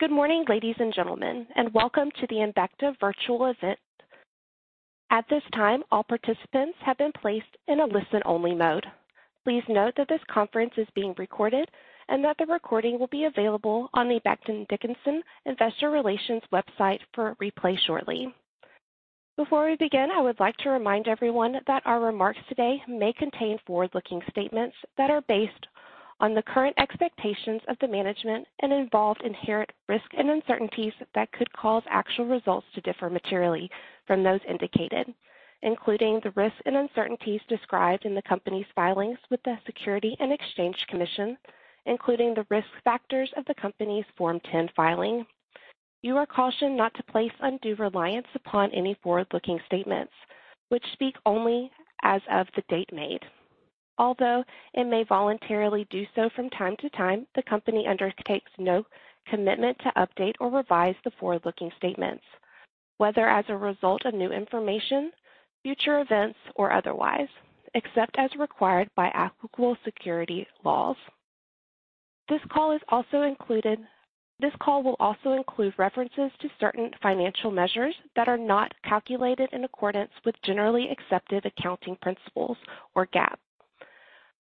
Good morning, ladies and gentlemen, and welcome to the Embecta virtual event. At this time, all participants have been placed in a listen-only mode. Please note that this conference is being recorded and that the recording will be available on the Becton Dickinson Investor Relations website for replay shortly. Before we begin, I would like to remind everyone that our remarks today may contain forward-looking statements that are based on the current expectations of the management and involve inherent risks and uncertainties that could cause actual results to differ materially from those indicated, including the risks and uncertainties described in the company's filings with the Securities and Exchange Commission, including the risk factors of the company's Form 10 filing. You are cautioned not to place undue reliance upon any forward-looking statements which speak only as of the date made. Although it may voluntarily do so from time to time, the company undertakes no commitment to update or revise the forward-looking statements, whether as a result of new information, future events, or otherwise, except as required by applicable securities laws. This call will also include references to certain financial measures that are not calculated in accordance with generally accepted accounting principles or GAAP.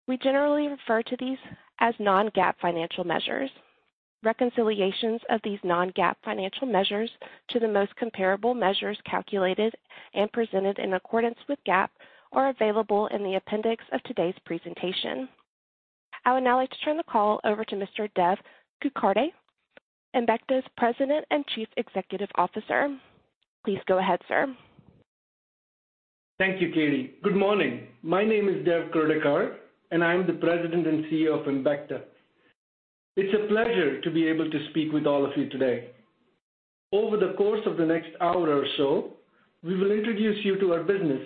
We generally refer to these as non-GAAP financial measures. Reconciliations of these non-GAAP financial measures to the most comparable measures calculated and presented in accordance with GAAP are available in the appendix of today's presentation. I would now like to turn the call over to Mr. Dev Kurdikar, Embecta's President and Chief Executive Officer. Please go ahead, sir. Thank you, Katie. Good morning. My name is Dev Kurdikar, and I am the President and CEO of Embecta. It's a pleasure to be able to speak with all of you today. Over the course of the next hour or so, we will introduce you to our business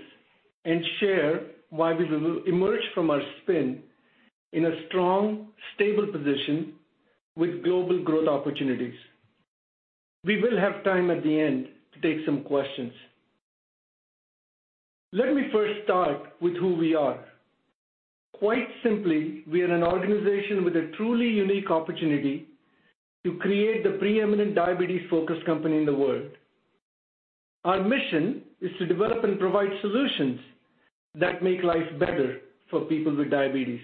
and share why we will emerge from our spin in a strong, stable position with global growth opportunities. We will have time at the end to take some questions. Let me first start with who we are. Quite simply, we are an organization with a truly unique opportunity to create the preeminent diabetes-focused company in the world. Our mission is to develop and provide solutions that make life better for people with diabetes.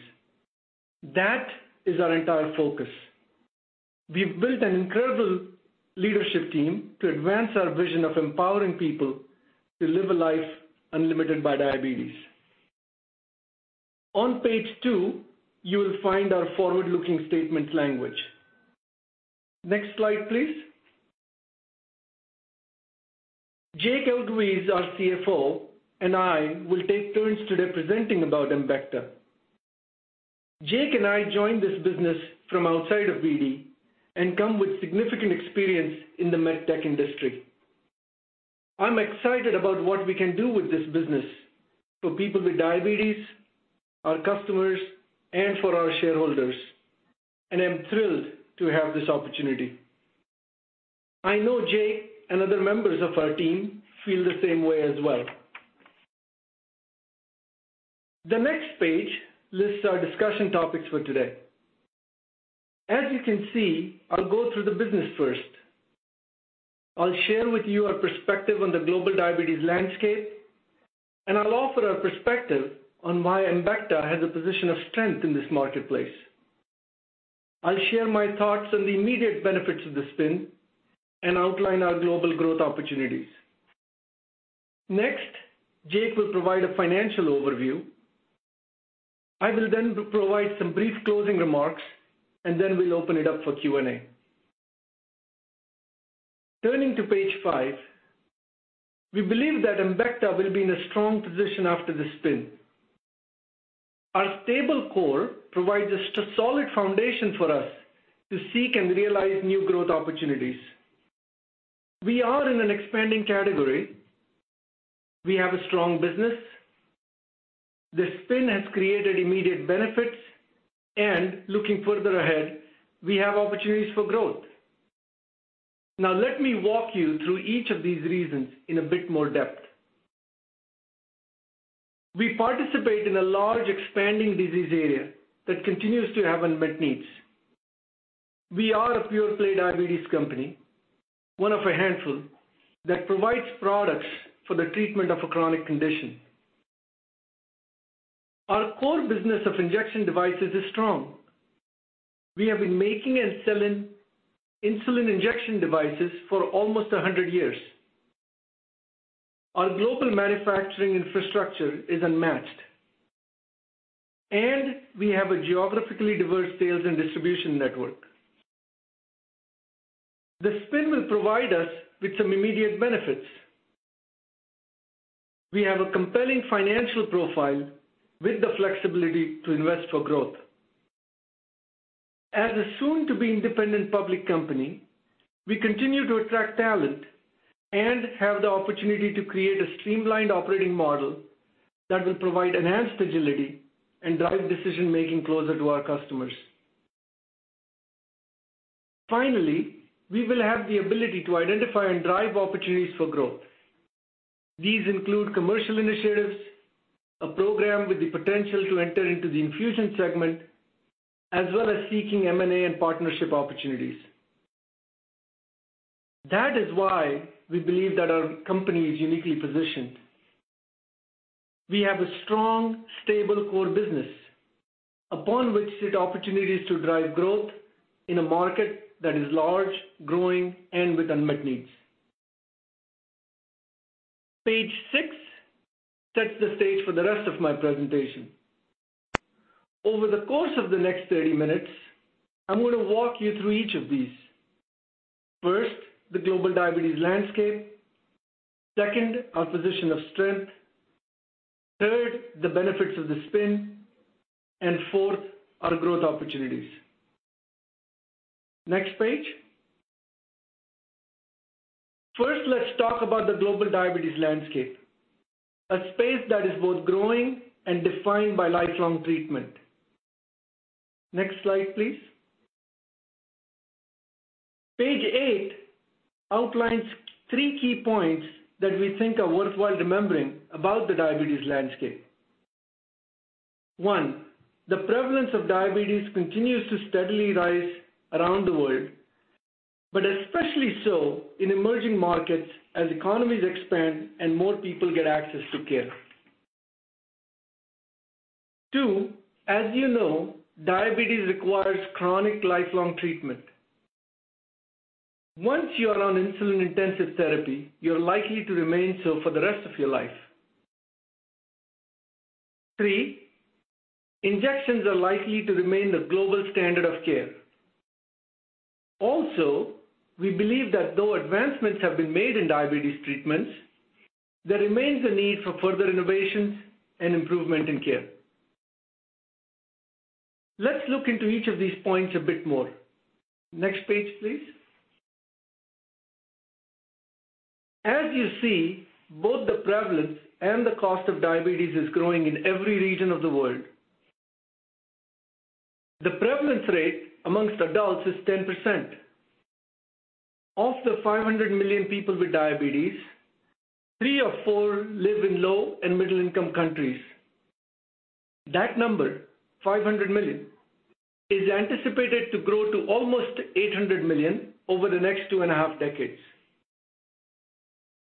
That is our entire focus. We've built an incredible leadership team to advance our vision of empowering people to live a life unlimited by diabetes. On page two, you will find our forward-looking statement language. Next slide, please. Jake Elguicze, our CFO, and I will take turns today presenting about Embecta. Jake Elguicze and I joined this business from outside of BD and come with significant experience in the med tech industry. I'm excited about what we can do with this business for people with diabetes, our customers, and for our shareholders, and I'm thrilled to have this opportunity. I know Jake Elguicze and other members of our team feel the same way as well. The next page lists our discussion topics for today. As you can see, I'll go through the business first. I'll share with you our perspective on the global diabetes landscape, and I'll offer our perspective on why Embecta has a position of strength in this marketplace. I'll share my thoughts on the immediate benefits of this spin and outline our global growth opportunities. Next, Jake will provide a financial overview. I will then provide some brief closing remarks, and then we'll open it up for Q&A. Turning to page five, we believe that Embecta will be in a strong position after this spin. Our stable core provides a solid foundation for us to seek and realize new growth opportunities. We are in an expanding category. We have a strong business. This spin has created immediate benefits and looking further ahead, we have opportunities for growth. Now, let me walk you through each of these reasons in a bit more depth. We participate in a large expanding disease area that continues to have unmet needs. We are a pure-play diabetes company, one of a handful that provides products for the treatment of a chronic condition. Our core business of injection devices is strong. We have been making and selling insulin injection devices for almost 100 years. Our global manufacturing infrastructure is unmatched, and we have a geographically diverse sales and distribution network. The spin will provide us with some immediate benefits. We have a compelling financial profile with the flexibility to invest for growth. As a soon-to-be independent public company, we continue to attract talent and have the opportunity to create a streamlined operating model that will provide enhanced agility and drive decision-making closer to our customers. Finally, we will have the ability to identify and drive opportunities for growth. These include commercial initiatives, a program with the potential to enter into the infusion segment, as well as seeking M&A and partnership opportunities. That is why we believe that our company is uniquely positioned. We have a strong, stable core business upon which sit opportunities to drive growth in a market that is large, growing, and with unmet needs. Page 6 sets the stage for the rest of my presentation. Over the course of the next 30 minutes, I'm going to walk you through each of these. First, the global diabetes landscape. Second, our position of strength. Third, the benefits of the spin. And fourth, our growth opportunities. Next page. First, let's talk about the global diabetes landscape, a space that is both growing and defined by lifelong treatment. Next slide, please. Page 8 outlines three key points that we think are worthwhile remembering about the diabetes landscape. One, the prevalence of diabetes continues to steadily rise around the world, but especially so in emerging markets as economies expand and more people get access to care. Two, as you know, diabetes requires chronic lifelong treatment. Once you are on insulin-intensive therapy, you're likely to remain so for the rest of your life. Three, injections are likely to remain the global standard of care. Also, we believe that though advancements have been made in diabetes treatments, there remains a need for further innovations and improvement in care. Let's look into each of these points a bit more. Next page, please. As you see, both the prevalence and the cost of diabetes is growing in every region of the world. The prevalence rate among adults is 10%. Of the 500 million people with diabetes, three of four live in low and middle-income countries. That number, 500 million, is anticipated to grow to almost 800 million over the next two and a half decades.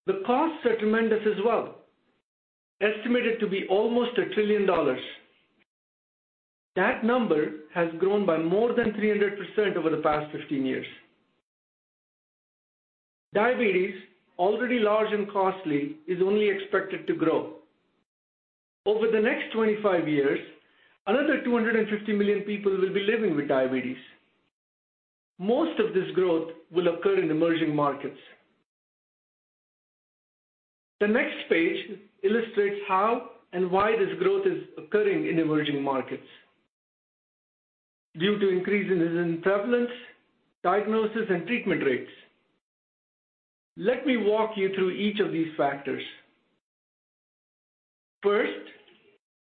The costs are tremendous as well, estimated to be almost $1 trillion. That number has grown by more than 300% over the past 15 years. Diabetes, already large and costly, is only expected to grow. Over the next 25 years, another 250 million people will be living with diabetes. Most of this growth will occur in emerging markets. The next page illustrates how and why this growth is occurring in emerging markets due to increases in prevalence, diagnosis, and treatment rates. Let me walk you through each of these factors. First,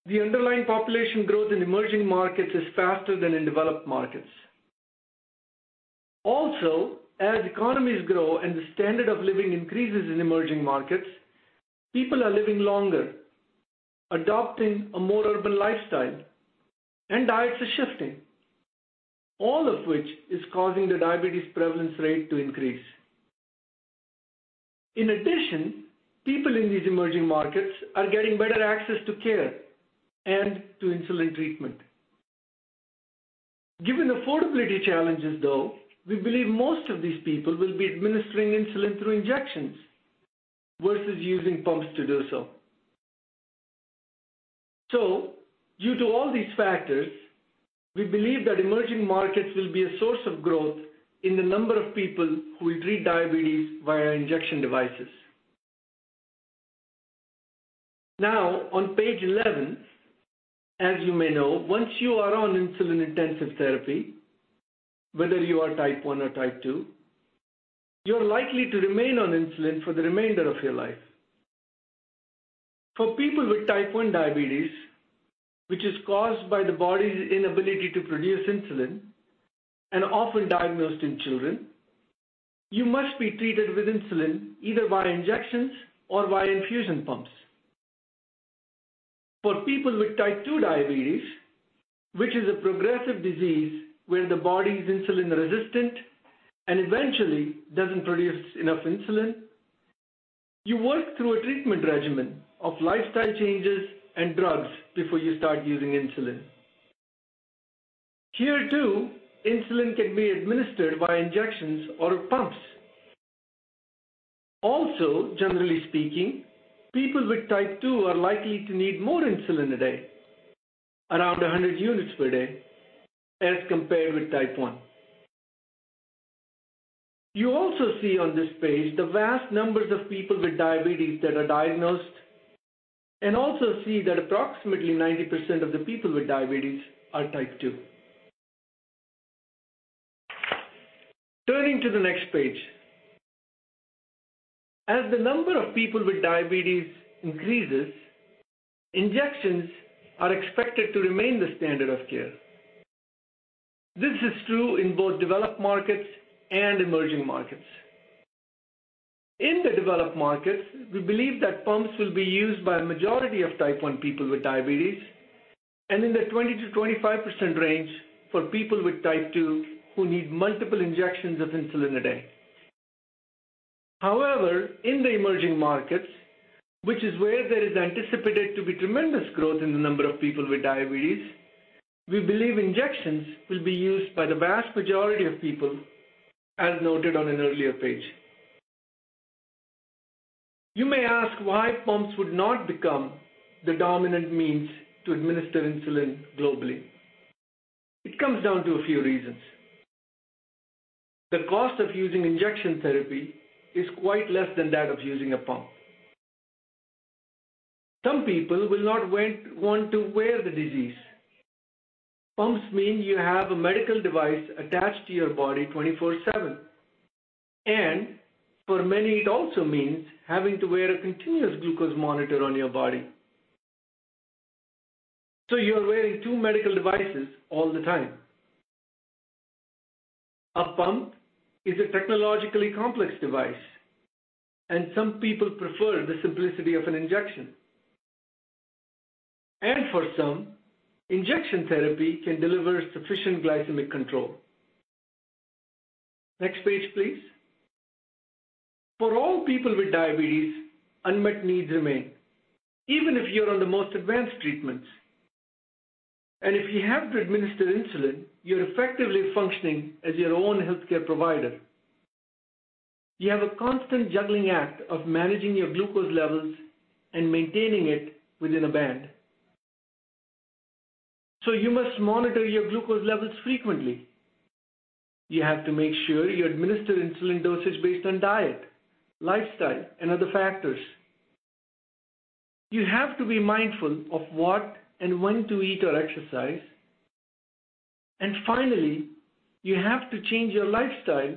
the underlying population growth in emerging markets is faster than in developed markets. Also, as economies grow and the standard of living increases in emerging markets, people are living longer, adopting a more urban lifestyle, and diets are shifting, all of which is causing the diabetes prevalence rate to increase. In addition, people in these emerging markets are getting better access to care and to insulin treatment. Given affordability challenges, though, we believe most of these people will be administering insulin through injections versus using pumps to do so. Due to all these factors, we believe that emerging markets will be a source of growth in the number of people who will treat diabetes via injection devices. Now on page 11. As you may know, once you are on insulin-intensive therapy, whether you are Type 1 or Type 2, you're likely to remain on insulin for the remainder of your life. For people with Type 1 diabetes, which is caused by the body's inability to produce insulin and often diagnosed in children, you must be treated with insulin, either via injections or via infusion pumps. For people with Type 2 diabetes, which is a progressive disease where the body is insulin resistant and eventually doesn't produce enough insulin, you work through a treatment regimen of lifestyle changes and drugs before you start using insulin. Here, too, insulin can be administered via injections or pumps. Also, generally speaking, people with Type 2 are likely to need more insulin a day, around 100 units per day as compared with Type 1. You also see on this page the vast numbers of people with diabetes that are diagnosed and also see that approximately 90% of the people with diabetes are Type 2. Turning to the next page. As the number of people with diabetes increases, injections are expected to remain the standard of care. This is true in both developed markets and emerging markets. In the developed markets, we believe that pumps will be used by a majority of Type 1 people with diabetes and in the 20%-25% range for people with Type 2 who need multiple injections of insulin a day. However, in the emerging markets, which is where there is anticipated to be tremendous growth in the number of people with diabetes, we believe injections will be used by the vast majority of people, as noted on an earlier page. You may ask why pumps would not become the dominant means to administer insulin globally. It comes down to a few reasons. The cost of using injection therapy is quite less than that of using a pump. Some people will not want to wear the device. Pumps mean you have a medical device attached to your body 24/7. For many, it also means having to wear a continuous glucose monitor on your body. You're wearing two medical devices all the time. A pump is a technologically complex device, and some people prefer the simplicity of an injection. For some, injection therapy can deliver sufficient glycemic control. Next page, please. For all people with diabetes, unmet needs remain, even if you're on the most advanced treatments. If you have to administer insulin, you're effectively functioning as your own healthcare provider. You have a constant juggling act of managing your glucose levels and maintaining it within a band. You must monitor your glucose levels frequently. You have to make sure you administer insulin dosage based on diet, lifestyle, and other factors. You have to be mindful of what and when to eat or exercise. Finally, you have to change your lifestyle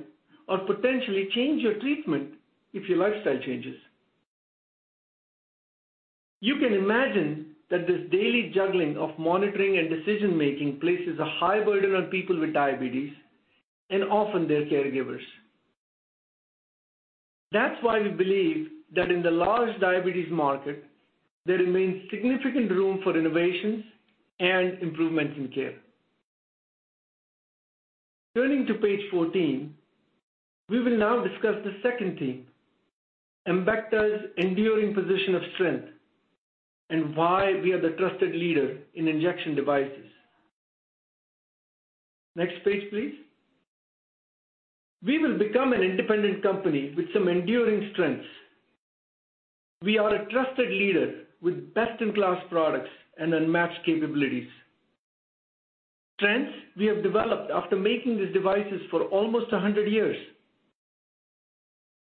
or potentially change your treatment if your lifestyle changes. You can imagine that this daily juggling of monitoring and decision-making places a high burden on people with diabetes and often their caregivers. That's why we believe that in the large diabetes market, there remains significant room for innovations and improvements in care. Turning to page 14, we will now discuss the second theme, Embecta's enduring position of strength and why we are the trusted leader in injection devices. Next page, please. We will become an independent company with some enduring strengths. We are a trusted leader with best-in-class products and unmatched capabilities. Strengths we have developed after making these devices for almost 100 years.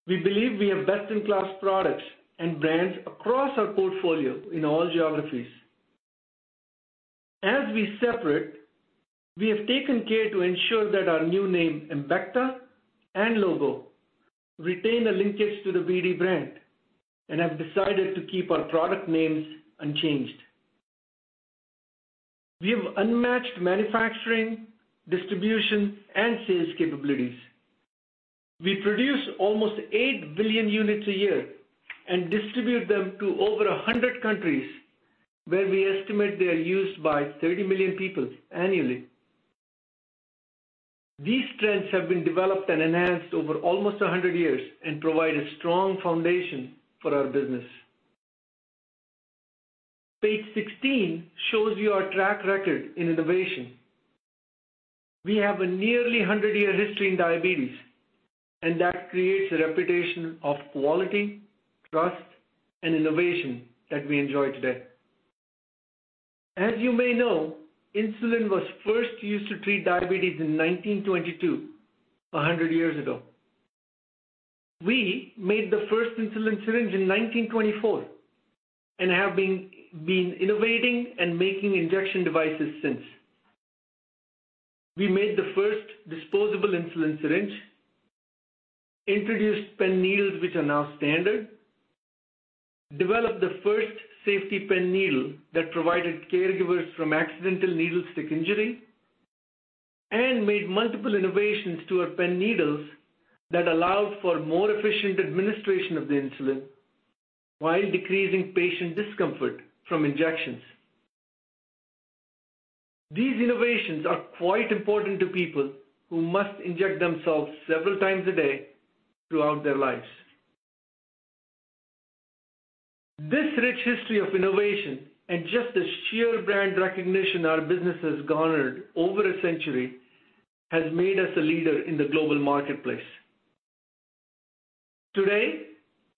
We believe we have best-in-class products and brands across our portfolio in all geographies. As we separate, we have taken care to ensure that our new name, Embecta, and logo retain a linkage to the BD brand and have decided to keep our product names unchanged. We have unmatched manufacturing, distribution, and sales capabilities. We produce almost 8 billion units a year and distribute them to over 100 countries where we estimate they are used by 30 million people annually. These strengths have been developed and enhanced over almost 100 years and provide a strong foundation for our business. Page 16 shows you our track record in innovation. We have a nearly 100-year history in diabetes, and that creates a reputation of quality, trust, and innovation that we enjoy today. As you may know, insulin was first used to treat diabetes in 1922, 100 years ago. We made the first insulin syringe in 1924 and have been innovating and making injection devices since. We made the first disposable insulin syringe, introduced pen needles, which are now standard, developed the first safety pen needle that protected caregivers from accidental needlestick injury, and made multiple innovations to our pen needles that allowed for more efficient administration of the insulin while decreasing patient discomfort from injections. These innovations are quite important to people who must inject themselves several times a day throughout their lives. This rich history of innovation and just the sheer brand recognition our business has garnered over a century has made us a leader in the global marketplace. Today,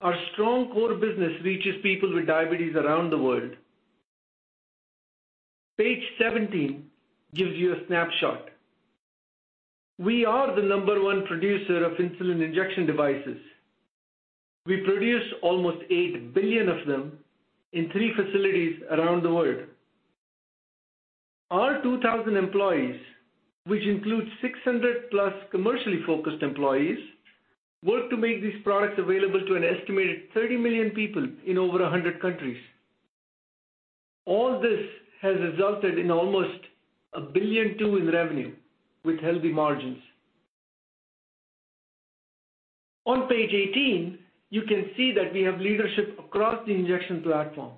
our strong core business reaches people with diabetes around the world. Page 17 gives you a snapshot. We are the number one producer of insulin injection devices. We produce almost 8 billion of them in 3 facilities around the world. Our 2,000 employees, which includes 600+ commercially focused employees, work to make these products available to an estimated 30 million people in over 100 countries. All this has resulted in almost $1.2 billion in revenue with healthy margins. On page 18, you can see that we have leadership across the injection platform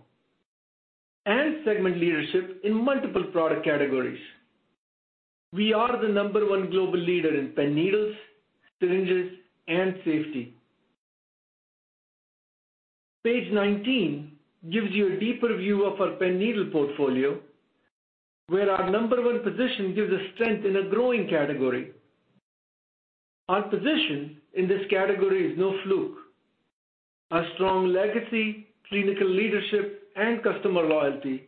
and segment leadership in multiple product categories. We are the number one global leader in pen needles, syringes, and safety. Page 19 gives you a deeper view of our pen needle portfolio, where our number one position gives us strength in a growing category. Our position in this category is no fluke. Our strong legacy, clinical leadership, and customer loyalty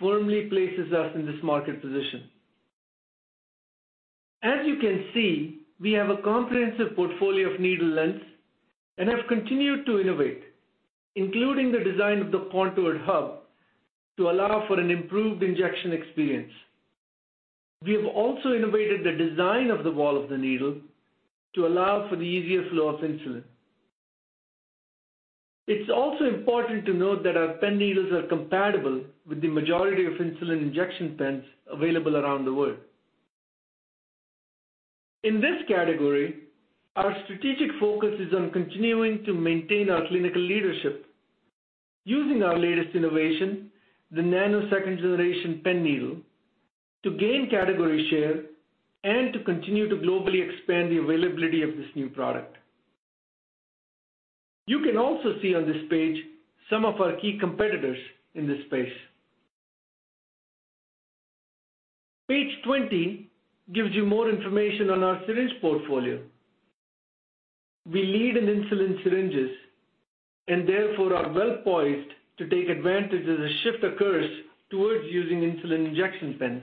firmly places us in this market position. As you can see, we have a comprehensive portfolio of needle lengths and have continued to innovate, including the design of the contoured hub to allow for an improved injection experience. We have also innovated the design of the wall of the needle to allow for the easier flow of insulin. It's also important to note that our pen needles are compatible with the majority of insulin injection pens available around the world. In this category, our strategic focus is on continuing to maintain our clinical leadership using our latest innovation, the BD Nano 2nd Gen pen needle, to gain category share and to continue to globally expand the availability of this new product. You can also see on this page some of our key competitors in this space. Page 20 gives you more information on our syringe portfolio. We lead in insulin syringes and therefore are well-poised to take advantage as a shift occurs towards using insulin injection pens.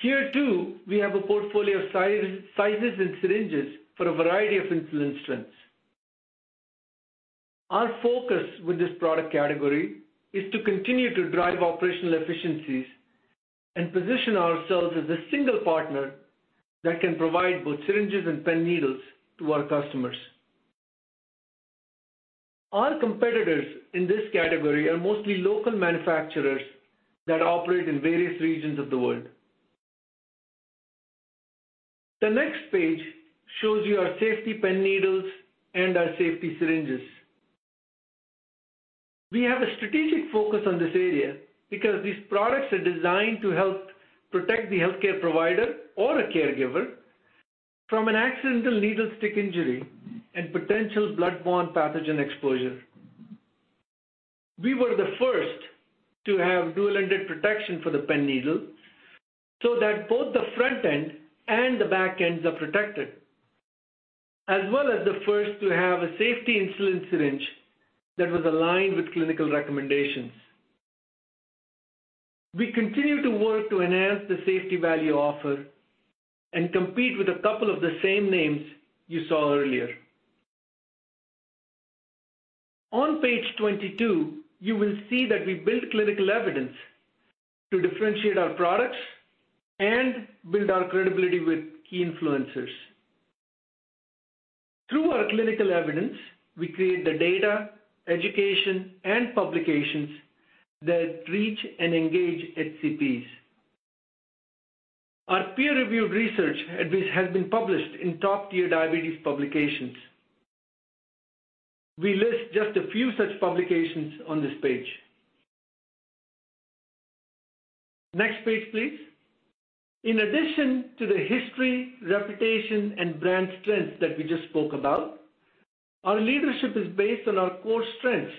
Here, too, we have a portfolio of sizes and syringes for a variety of insulin strengths. Our focus with this product category is to continue to drive operational efficiencies and position ourselves as a single partner that can provide both syringes and pen needles to our customers. Our competitors in this category are mostly local manufacturers that operate in various regions of the world. The next page shows you our safety pen needles and our safety syringes. We have a strategic focus on this area because these products are designed to help protect the healthcare provider or a caregiver from an accidental needlestick injury and potential blood-borne pathogen exposure. We were the first to have dual-ended protection for the pen needle so that both the front end and the back ends are protected, as well as the first to have a safety insulin syringe that was aligned with clinical recommendations. We continue to work to enhance the safety value offer and compete with a couple of the same names you saw earlier. On page 22, you will see that we build clinical evidence to differentiate our products and build our credibility with key influencers. Through our clinical evidence, we create the data, education, and publications that reach and engage HCPs. Our peer-reviewed research has been published in top-tier diabetes publications. We list just a few such publications on this page. Next page, please. In addition to the history, reputation, and brand strength that we just spoke about, our leadership is based on our core strengths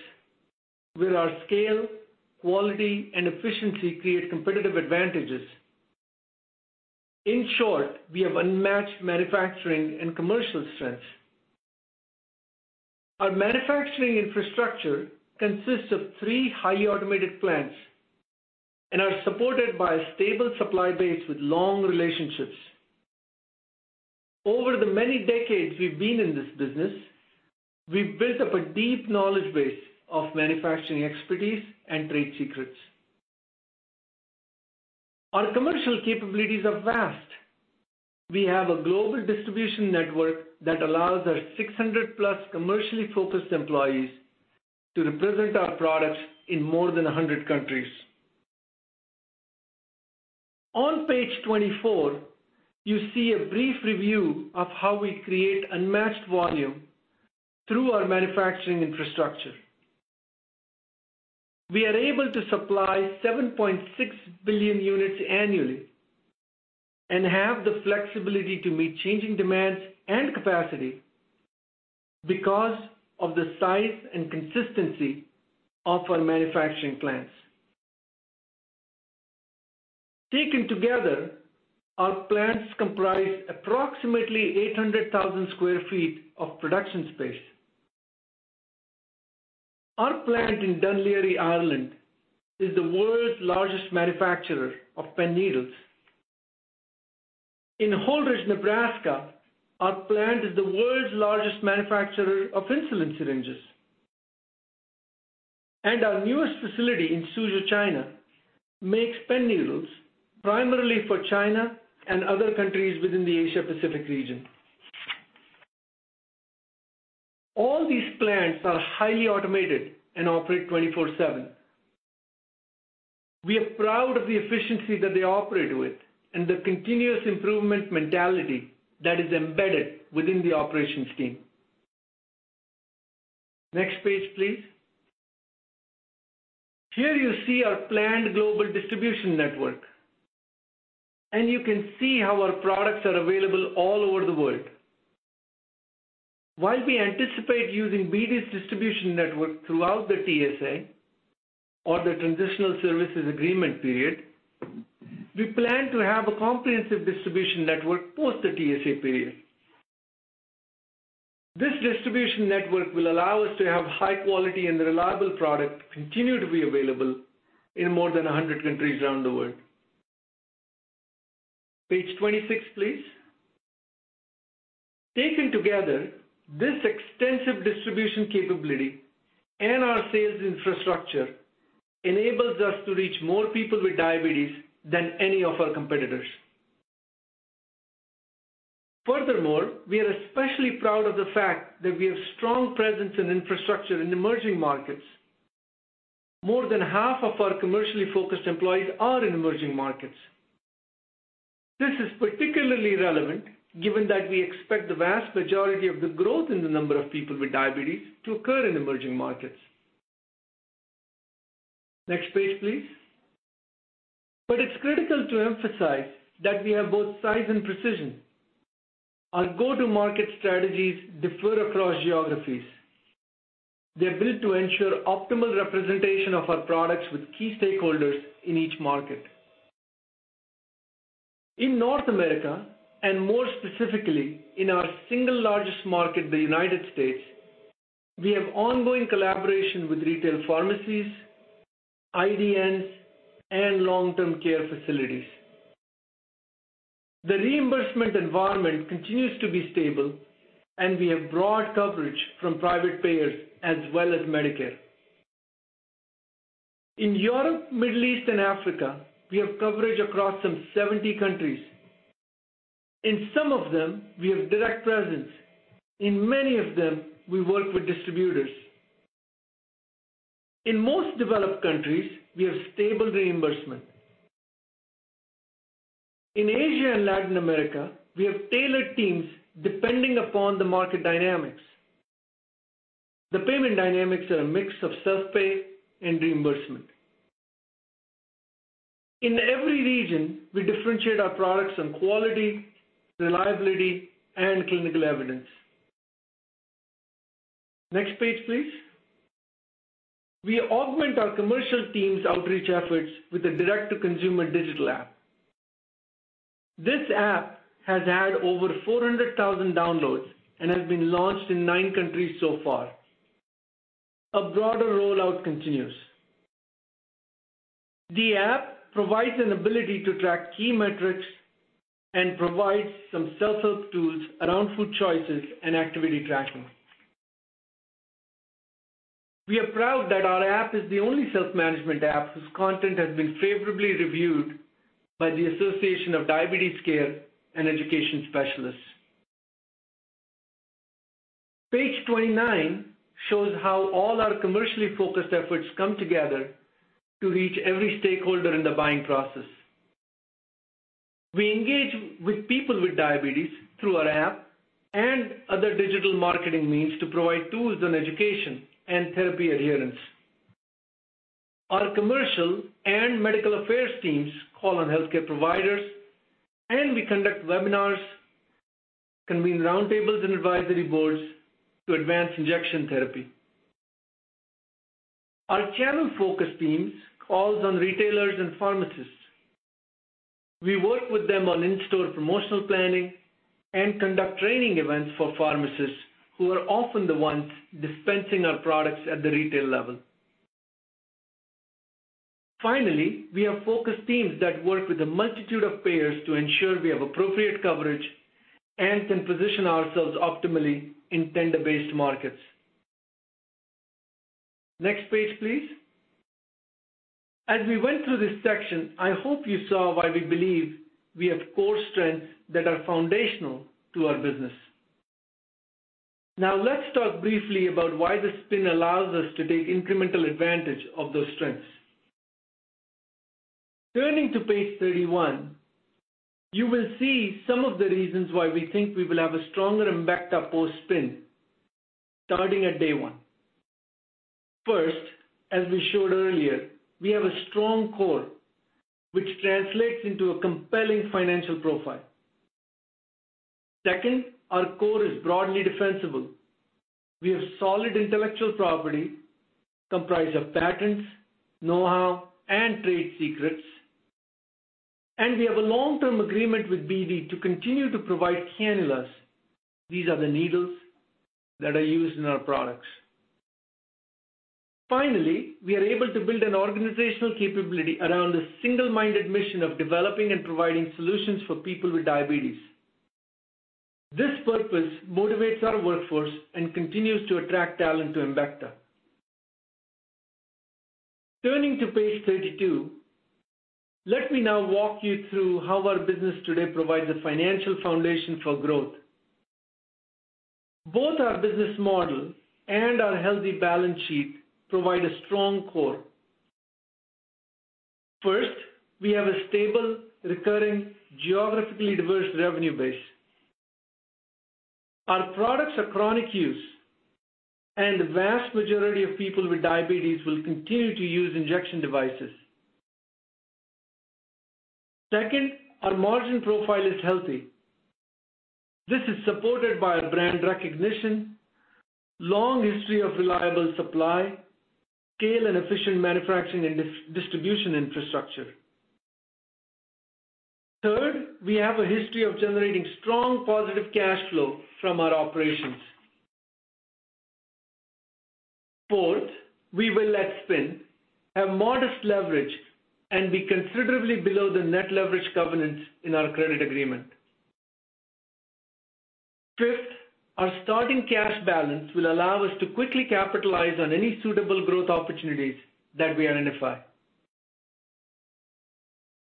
with our scale, quality, and efficiency create competitive advantages. In short, we have unmatched manufacturing and commercial strengths. Our manufacturing infrastructure consists of 3 highly automated plants and are supported by a stable supply base with long relationships. Over the many decades we've been in this business, we've built up a deep knowledge base of manufacturing expertise and trade secrets. Our commercial capabilities are vast. We have a global distribution network that allows our 600+ commercially focused employees to represent our products in more than 100 countries. On page 24, you see a brief review of how we create unmatched volume through our manufacturing infrastructure. We are able to supply 7.6 billion units annually and have the flexibility to meet changing demands and capacity because of the size and consistency of our manufacturing plants. Taken together, our plants comprise approximately 800,000 sq ft of production space. Our plant in Dún Laoghaire, Ireland, is the world's largest manufacturer of pen needles. In Holdrege, Nebraska, our plant is the world's largest manufacturer of insulin syringes. Our newest facility in Suzhou, China, makes pen needles primarily for China and other countries within the Asia-Pacific region. All these plants are highly automated and operate 24/7. We are proud of the efficiency that they operate with and the continuous improvement mentality that is embedded within the operations team. Next page, please. Here you see our planned global distribution network, and you can see how our products are available all over the world. While we anticipate using BD's distribution network throughout the TSA or the Transitional Services Agreement period, we plan to have a comprehensive distribution network post the TSA period. This distribution network will allow us to have high quality and reliable product continue to be available in more than 100 countries around the world. Page 26, please. Taken together, this extensive distribution capability and our sales infrastructure enables us to reach more people with diabetes than any of our competitors. Furthermore, we are especially proud of the fact that we have strong presence and infrastructure in emerging markets. More than half of our commercially focused employees are in emerging markets. This is particularly relevant given that we expect the vast majority of the growth in the number of people with diabetes to occur in emerging markets. Next page, please. It's critical to emphasize that we have both size and precision. Our go-to-market strategies differ across geographies. They're built to ensure optimal representation of our products with key stakeholders in each market. In North America, and more specifically in our single largest market, the United States, we have ongoing collaboration with retail pharmacies, IDNs, and long-term care facilities. The reimbursement environment continues to be stable, and we have broad coverage from private payers as well as Medicare. In Europe, Middle East, and Africa, we have coverage across some 70 countries. In some of them, we have direct presence. In many of them, we work with distributors. In most developed countries, we have stable reimbursement. In Asia and Latin America, we have tailored teams depending upon the market dynamics. The payment dynamics are a mix of self-pay and reimbursement. In every region, we differentiate our products on quality, reliability, and clinical evidence. Next page, please. We augment our commercial teams' outreach efforts with a direct-to-consumer digital app. This app has had over 400,000 downloads and has been launched in nine countries so far. A broader rollout continues. The app provides an ability to track key metrics and provides some self-help tools around food choices and activity tracking. We are proud that our app is the only self-management app whose content has been favorably reviewed by the Association of Diabetes Care & Education Specialists. Page 29 shows how all our commercially focused efforts come together to reach every stakeholder in the buying process. We engage with people with diabetes through our app and other digital marketing means to provide tools and education and therapy adherence. Our commercial and medical affairs teams call on healthcare providers, and we conduct webinars, convene roundtables and advisory boards to advance injection therapy. Our channel focus teams calls on retailers and pharmacists. We work with them on in-store promotional planning and conduct training events for pharmacists who are often the ones dispensing our products at the retail level. Finally, we have focused teams that work with a multitude of payers to ensure we have appropriate coverage and can position ourselves optimally in tender-based markets. Next page, please. As we went through this section, I hope you saw why we believe we have core strengths that are foundational to our business. Now let's talk briefly about why the spin allows us to take incremental advantage of those strengths. Turning to page 31, you will see some of the reasons why we think we will have a stronger Embecta post-spin starting at day one. First, as we showed earlier, we have a strong core which translates into a compelling financial profile. Second, our core is broadly defensible. We have solid intellectual property comprised of patents, know-how, and trade secrets. We have a long-term agreement with BD to continue to provide cannulas. These are the needles that are used in our products. Finally, we are able to build an organizational capability around a single-minded mission of developing and providing solutions for people with diabetes. This purpose motivates our workforce and continues to attract talent to Embecta. Turning to page 32, let me now walk you through how our business today provides a financial foundation for growth. Both our business model and our healthy balance sheet provide a strong core. First, we have a stable, recurring, geographically diverse revenue base. Our products are chronic use, and the vast majority of people with diabetes will continue to use injection devices. Second, our margin profile is healthy. This is supported by a brand recognition, long history of reliable supply, scale and efficient manufacturing and distribution infrastructure. Third, we have a history of generating strong positive cash flow from our operations. Fourth, we will, at spin, have modest leverage and be considerably below the net leverage governance in our credit agreement. Fifth, our starting cash balance will allow us to quickly capitalize on any suitable growth opportunities that we identify.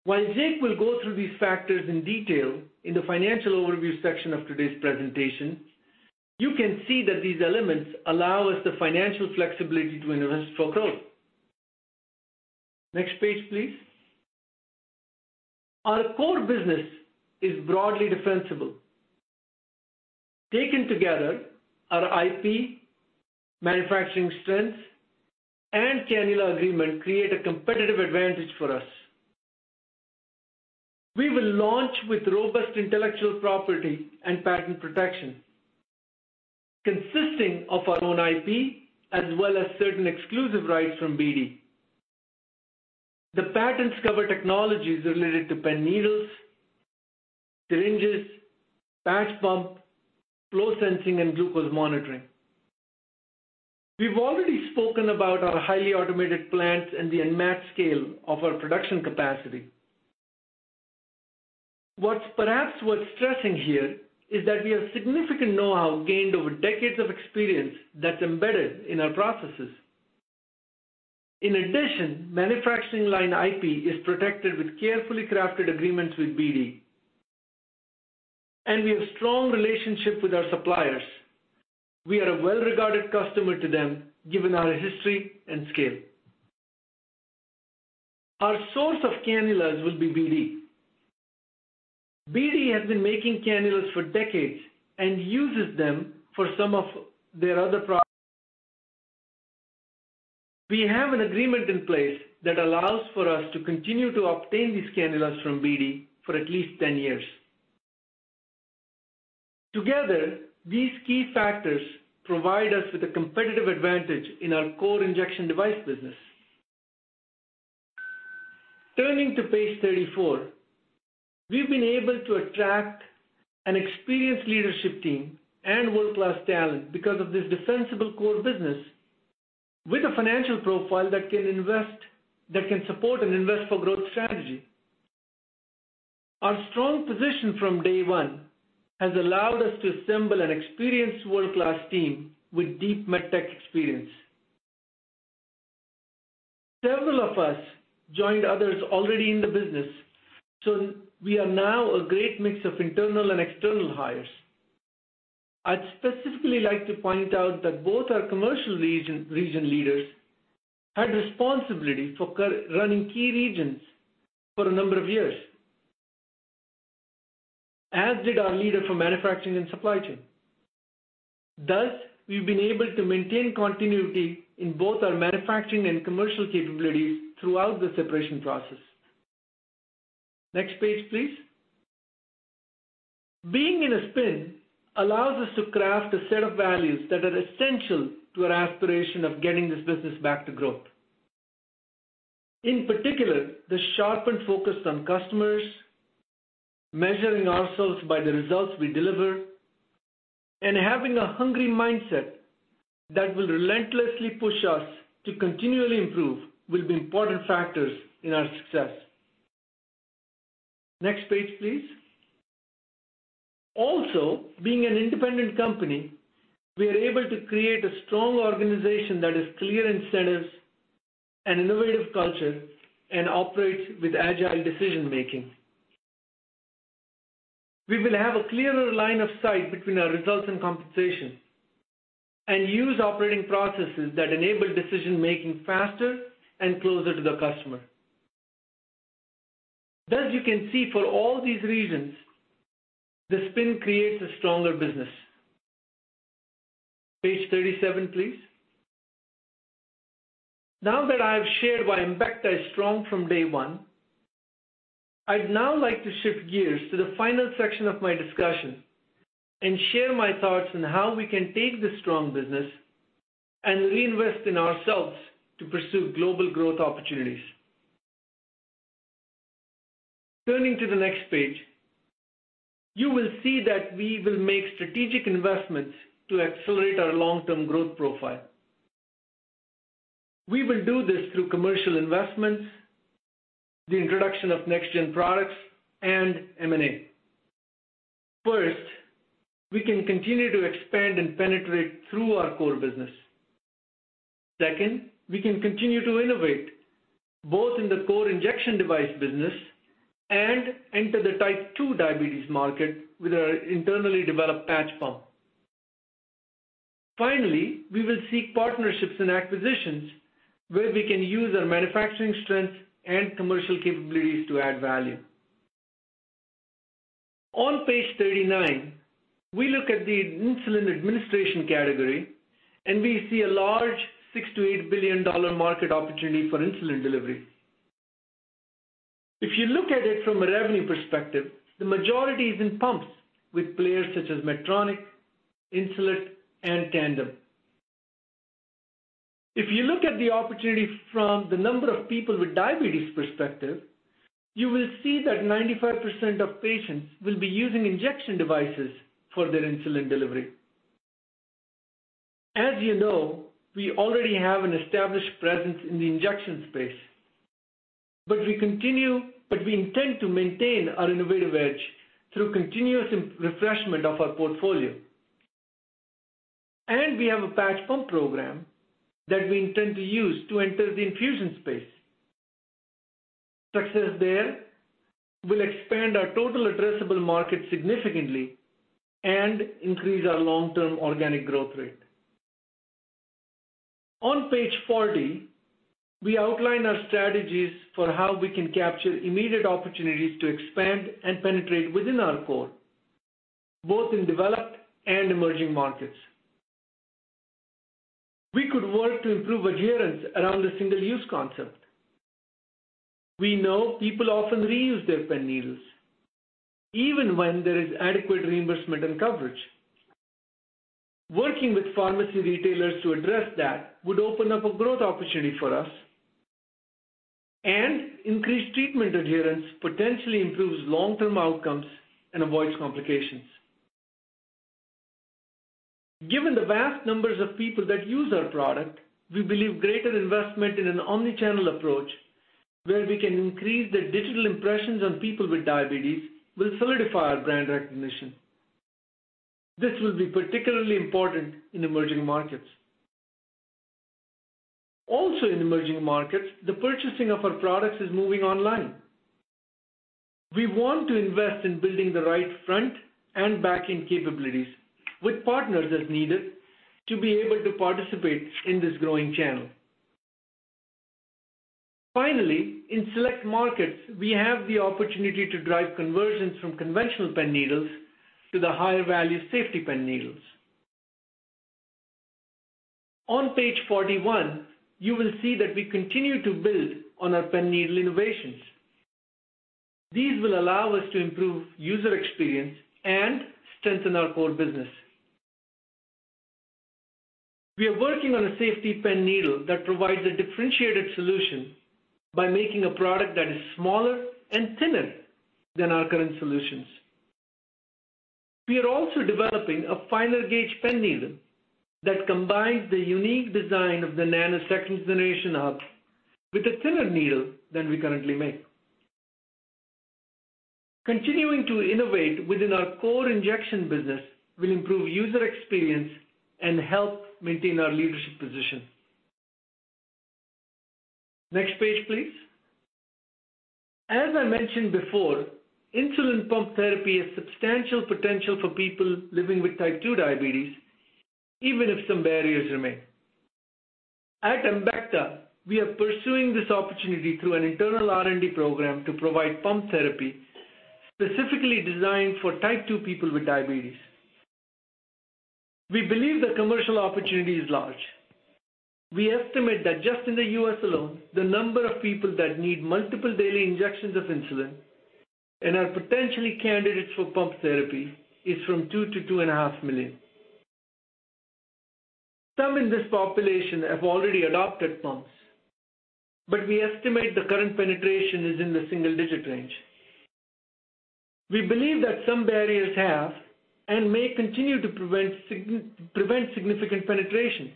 While Jake will go through these factors in detail in the financial overview section of today's presentation, you can see that these elements allow us the financial flexibility to invest for growth. Next page, please. Our core business is broadly defensible. Taken together, our IP, manufacturing strength, and cannula agreement create a competitive advantage for us. We will launch with robust intellectual property and patent protection consisting of our own IP, as well as certain exclusive rights from BD. The patents cover technologies related to pen needles, syringes, patch pump, flow sensing, and glucose monitoring. We've already spoken about our highly automated plants and the unmatched scale of our production capacity. What's perhaps worth stressing here is that we have significant know-how gained over decades of experience that's embedded in our processes. In addition, manufacturing line IP is protected with carefully crafted agreements with BD. We have strong relationship with our suppliers. We are a well-regarded customer to them, given our history and scale. Our source of cannulas will be BD. BD has been making cannulas for decades. We have an agreement in place that allows for us to continue to obtain these cannulas from BD for at least 10 years. Together, these key factors provide us with a competitive advantage in our core injection device business. Turning to page 34. We've been able to attract an experienced leadership team and world-class talent because of this defensible core business with a financial profile that can support and invest for growth strategy. Our strong position from day one has allowed us to assemble an experienced world-class team with deep med tech experience. Several of us joined others already in the business, so we are now a great mix of internal and external hires. I'd specifically like to point out that both our commercial region leaders had responsibility for running key regions for a number of years, as did our leader for manufacturing and supply chain. Thus, we've been able to maintain continuity in both our manufacturing and commercial capabilities throughout the separation process. Next page, please. Being in a spin allows us to craft a set of values that are essential to our aspiration of getting this business back to growth. In particular, the sharpened focus on customers, measuring ourselves by the results we deliver, and having a hungry mindset that will relentlessly push us to continually improve will be important factors in our success. Next page, please. Being an independent company, we are able to create a strong organization that has clear incentives and innovative culture and operates with agile decision-making. We will have a clearer line of sight between our results and compensation and use operating processes that enable decision-making faster and closer to the customer. Thus, you can see for all these reasons, the spin creates a stronger business. Page 37, please. Now that I've shared why Embecta is strong from day one, I'd now like to shift gears to the final section of my discussion and share my thoughts on how we can take this strong business and reinvest in ourselves to pursue global growth opportunities. Turning to the next page, you will see that we will make strategic investments to accelerate our long-term growth profile. We will do this through commercial investments, the introduction of next-gen products, and M&A. First, we can continue to expand and penetrate through our core business. Second, we can continue to innovate, both in the core injection device business and enter the type 2 diabetes market with our internally developed patch pump. Finally, we will seek partnerships and acquisitions where we can use our manufacturing strengths and commercial capabilities to add value. On page 39, we look at the insulin administration category, and we see a large $6 billion-$8 billion market opportunity for insulin delivery. If you look at it from a revenue perspective, the majority is in pumps with players such as Medtronic, Insulet, and Tandem. If you look at the opportunity from the number of people with diabetes perspective, you will see that 95% of patients will be using injection devices for their insulin delivery. As you know, we already have an established presence in the injection space, but we intend to maintain our innovative edge through continuous refreshment of our portfolio. We have a patch pump program that we intend to use to enter the infusion space. Success there will expand our total addressable market significantly and increase our long-term organic growth rate. On page 40, we outline our strategies for how we can capture immediate opportunities to expand and penetrate within our core, both in developed and emerging markets. We could work to improve adherence around the single-use concept. We know people often reuse their pen needles even when there is adequate reimbursement and coverage. Working with pharmacy retailers to address that would open up a growth opportunity for us and increase treatment adherence, potentially improves long-term outcomes, and avoids complications. Given the vast numbers of people that use our product, we believe greater investment in an omni-channel approach, where we can increase the digital impressions on people with diabetes, will solidify our brand recognition. This will be particularly important in emerging markets. Also in emerging markets, the purchasing of our products is moving online. We want to invest in building the right front and back-end capabilities with partners as needed to be able to participate in this growing channel. Finally, in select markets, we have the opportunity to drive conversions from conventional pen needles to the higher value safety pen needles. On page 41, you will see that we continue to build on our pen needle innovations. These will allow us to improve user experience and strengthen our core business. We are working on a safety pen needle that provides a differentiated solution by making a product that is smaller and thinner than our current solutions. We are also developing a finer gauge pen needle that combines the unique design of the Nano 2nd Gen hub with a thinner needle than we currently make. Continuing to innovate within our core injection business will improve user experience and help maintain our leadership position. Next page, please. As I mentioned before, insulin pump therapy has substantial potential for people living with Type 2 diabetes, even if some barriers remain. At Embecta, we are pursuing this opportunity through an internal R&D program to provide pump therapy specifically designed for Type 2 people with diabetes. We believe the commercial opportunity is large. We estimate that just in the U.S. alone, the number of people that need multiple daily injections of insulin and are potentially candidates for pump therapy is from 2-2.5 million. Some in this population have already adopted pumps, but we estimate the current penetration is in the single-digit range. We believe that some barriers have and may continue to prevent significant penetration.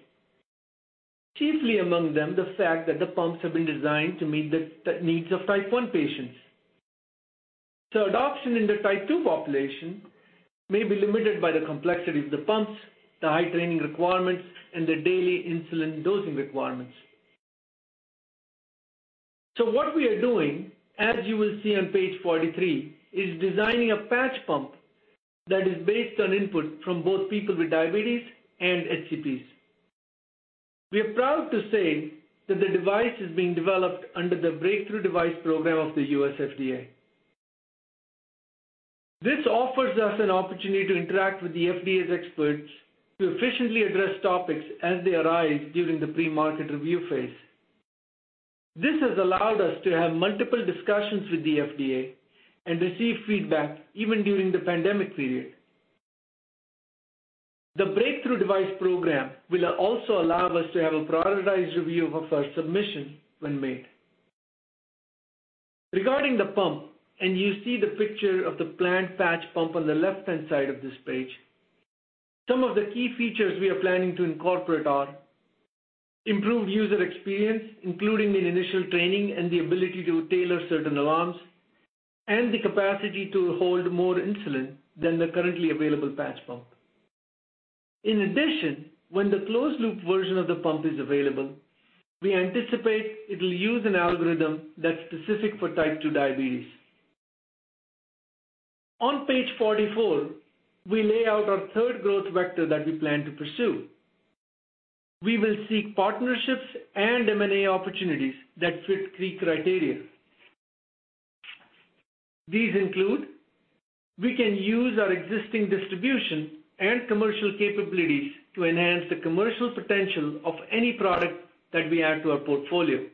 Chiefly among them, the fact that the pumps have been designed to meet the needs of type one patients. Adoption in the type two population may be limited by the complexity of the pumps, the high training requirements, and the daily insulin dosing requirements. What we are doing, as you will see on page 43, is designing a patch pump that is based on input from both people with diabetes and HCPs. We are proud to say that the device is being developed under the Breakthrough Devices Program of the U.S. FDA. This offers us an opportunity to interact with the FDA's experts to efficiently address topics as they arise during the pre-market review phase. This has allowed us to have multiple discussions with the FDA and receive feedback even during the pandemic period. The Breakthrough Devices Program will also allow us to have a prioritized review of our submission when made. Regarding the pump, you see the picture of the planned patch pump on the left-hand side of this page. Some of the key features we are planning to incorporate are improved user experience, including the initial training and the ability to tailor certain alarms, and the capacity to hold more insulin than the currently available patch pump. In addition, when the closed loop version of the pump is available, we anticipate it'll use an algorithm that's specific for Type 2 diabetes. On page 44, we lay out our third growth vector that we plan to pursue. We will seek partnerships and M&A opportunities that fit three criteria. These include we can use our existing distribution and commercial capabilities to enhance the commercial potential of any product that we add to our portfolio.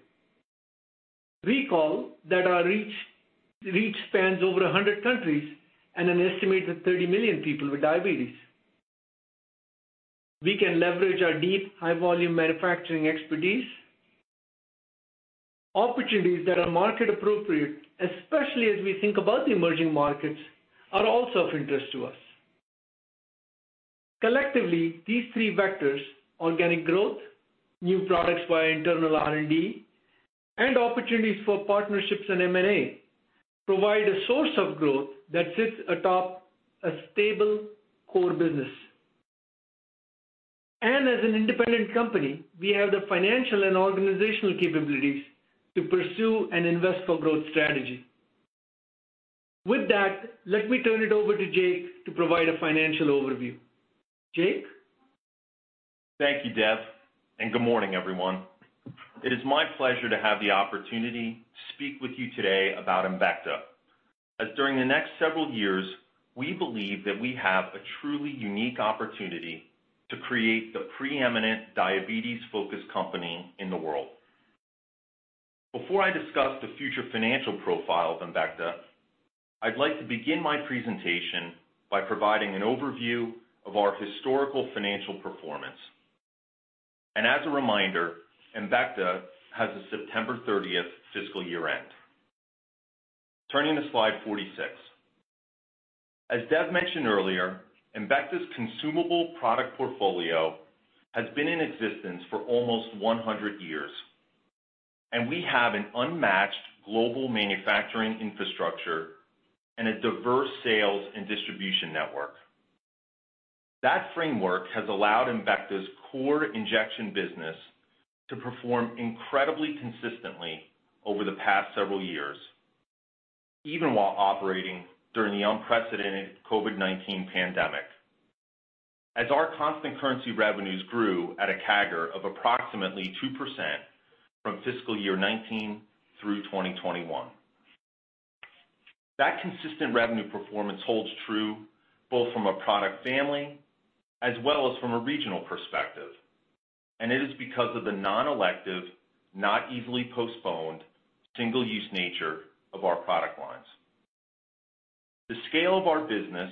Recall that our reach spans over 100 countries and an estimated 30 million people with diabetes. We can leverage our deep, high-volume manufacturing expertise. Opportunities that are market appropriate, especially as we think about the emerging markets, are also of interest to us. Collectively, these three vectors, organic growth, new products via internal R&D, and opportunities for partnerships and M&A, provide a source of growth that sits atop a stable core business. As an independent company, we have the financial and organizational capabilities to pursue and invest for growth strategy. With that, let me turn it over to Jake to provide a financial overview. Jake. Thank you, Dev, and good morning, everyone. It is my pleasure to have the opportunity to speak with you today about Embecta, as during the next several years, we believe that we have a truly unique opportunity to create the preeminent diabetes-focused company in the world. Before I discuss the future financial profile of Embecta, I'd like to begin my presentation by providing an overview of our historical financial performance. As a reminder, Embecta has a September 30 fiscal year-end. Turning to slide 46. As Dev mentioned earlier, Embecta's consumable product portfolio has been in existence for almost 100 years, and we have an unmatched global manufacturing infrastructure and a diverse sales and distribution network. That framework has allowed Embecta's core injection business to perform incredibly consistently over the past several years, even while operating during the unprecedented COVID-19 pandemic. As our constant currency revenues grew at a CAGR of approximately 2% from fiscal year 2019 through 2021. That consistent revenue performance holds true both from a product family as well as from a regional perspective, and it is because of the non-elective, not easily postponed, single-use nature of our product lines. The scale of our business,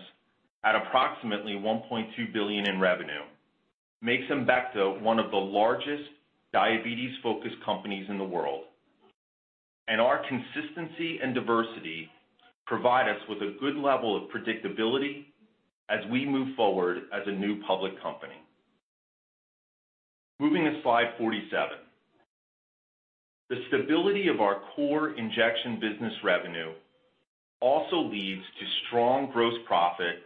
at approximately $1.2 billion in revenue, makes Embecta one of the largest diabetes-focused companies in the world, and our consistency and diversity provide us with a good level of predictability as we move forward as a new public company. Moving to slide 47. The stability of our core injection business revenue also leads to strong gross profit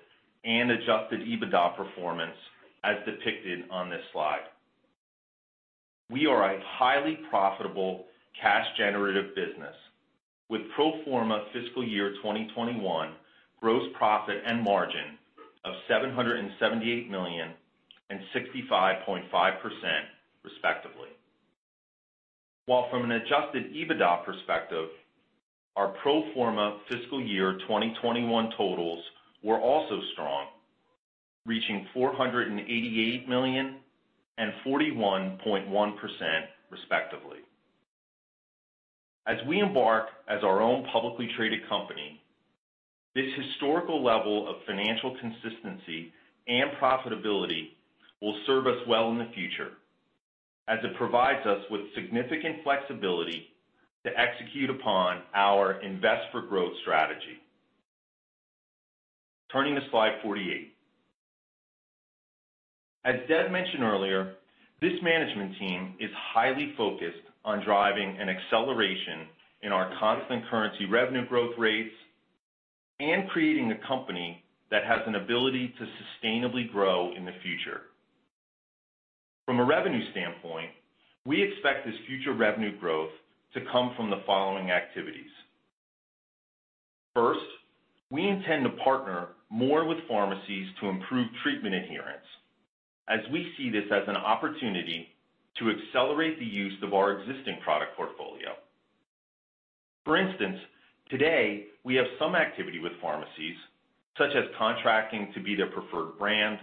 and adjusted EBITDA performance as depicted on this slide. We are a highly profitable cash generative business with pro forma fiscal year 2021 gross profit and margin of $778 million and 65.5%, respectively. While from an adjusted EBITDA perspective, our pro forma fiscal year 2021 totals were also strong, reaching $488 million and 41.1% respectively. As we embark as our own publicly traded company, this historical level of financial consistency and profitability will serve us well in the future as it provides us with significant flexibility to execute upon our invest for growth strategy. Turning to slide 48. As Dev mentioned earlier, this management team is highly focused on driving an acceleration in our constant currency revenue growth rates and creating a company that has an ability to sustainably grow in the future. From a revenue standpoint, we expect this future revenue growth to come from the following activities. First, we intend to partner more with pharmacies to improve treatment adherence, as we see this as an opportunity to accelerate the use of our existing product portfolio. For instance, today we have some activity with pharmacies, such as contracting to be their preferred brand,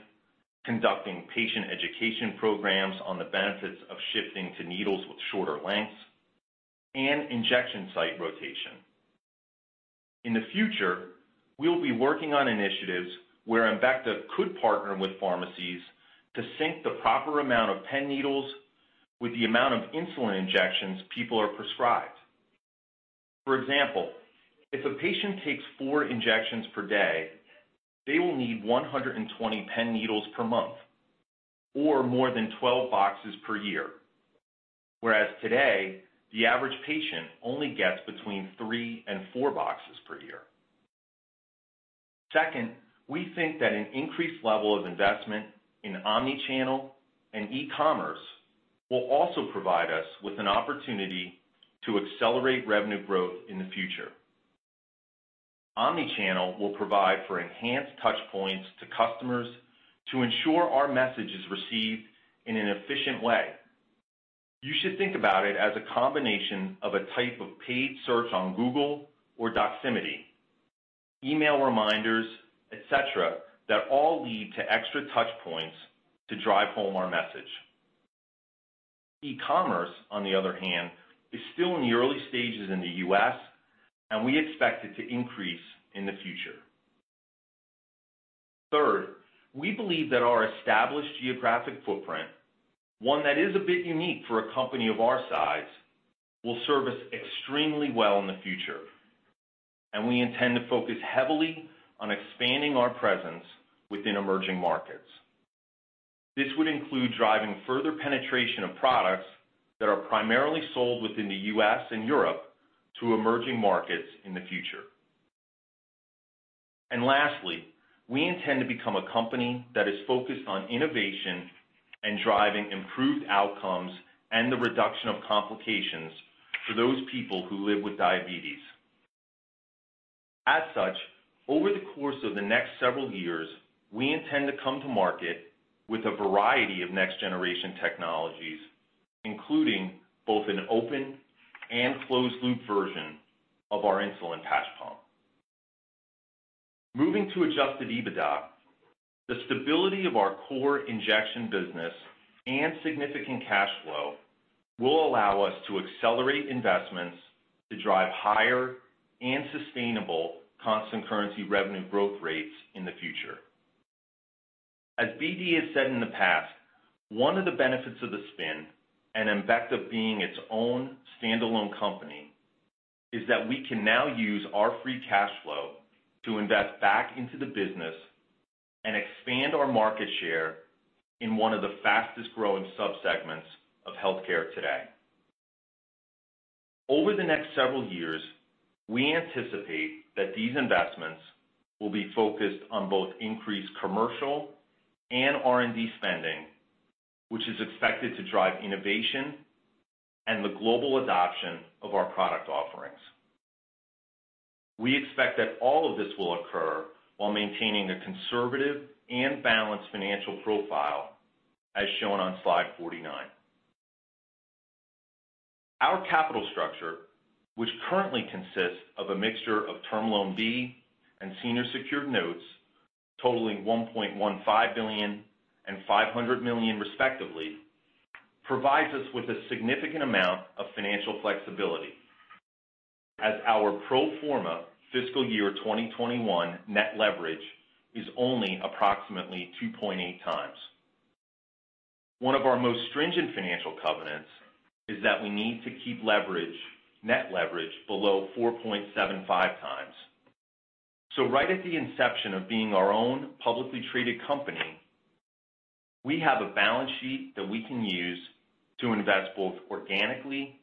conducting patient education programs on the benefits of shifting to needles with shorter lengths and injection site rotation. In the future, we'll be working on initiatives where Embecta could partner with pharmacies to sync the proper amount of pen needles with the amount of insulin injections people are prescribed. For example, if a patient takes four injections per day, they will need 120 pen needles per month or more than 12 boxes per year. Whereas today, the average patient only gets between three and four boxes per year. Second, we think that an increased level of investment in omni-channel and e-commerce will also provide us with an opportunity to accelerate revenue growth in the future. Omni-channel will provide for enhanced touch points to customers to ensure our message is received in an efficient way. You should think about it as a combination of a type of paid search on Google or Doximity, email reminders, etc., that all lead to extra touch points to drive home our message. E-commerce, on the other hand, is still in the early stages in the U.S., and we expect it to increase in the future. Third, we believe that our established geographic footprint, one that is a bit unique for a company of our size, will serve us extremely well in the future, and we intend to focus heavily on expanding our presence within emerging markets. This would include driving further penetration of products that are primarily sold within the U.S. and Europe to emerging markets in the future. Lastly, we intend to become a company that is focused on innovation and driving improved outcomes and the reduction of complications for those people who live with diabetes. As such, over the course of the next several years, we intend to come to market with a variety of next-generation technologies, including both an open and closed loop version of our insulin patch pump. Moving to adjusted EBITDA, the stability of our core injection business and significant cash flow will allow us to accelerate investments to drive higher and sustainable constant currency revenue growth rates in the future. As BD has said in the past, one of the benefits of the spin and Embecta being its own standalone company is that we can now use our free cash flow to invest back into the business and expand our market share in one of the fastest-growing subsegments of healthcare today. Over the next several years, we anticipate that these investments will be focused on both increased commercial and R&D spending, which is expected to drive innovation and the global adoption of our product offerings. We expect that all of this will occur while maintaining a conservative and balanced financial profile as shown on slide 49. Our capital structure, which currently consists of a mixture of term loan B and senior secured notes totaling $1.15 billion and $500 million respectively, provides us with a significant amount of financial flexibility as our pro forma fiscal year 2021 net leverage is only approximately 2.8x. One of our most stringent financial covenants is that we need to keep leverage, net leverage below 4.75x. Right at the inception of being our own publicly traded company, we have a balance sheet that we can use to invest both organically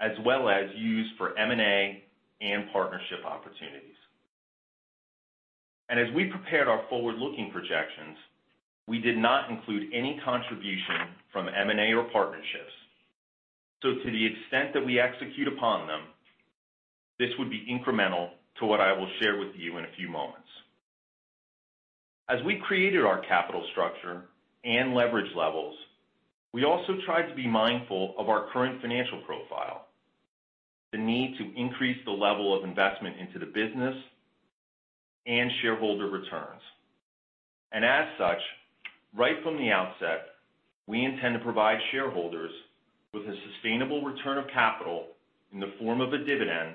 as well as use for M&A and partnership opportunities. As we prepared our forward-looking projections, we did not include any contribution from M&A or partnerships. To the extent that we execute upon them, this would be incremental to what I will share with you in a few moments. As we created our capital structure and leverage levels, we also tried to be mindful of our current financial profile, the need to increase the level of investment into the business and shareholder returns. As such, right from the outset, we intend to provide shareholders with a sustainable return of capital in the form of a dividend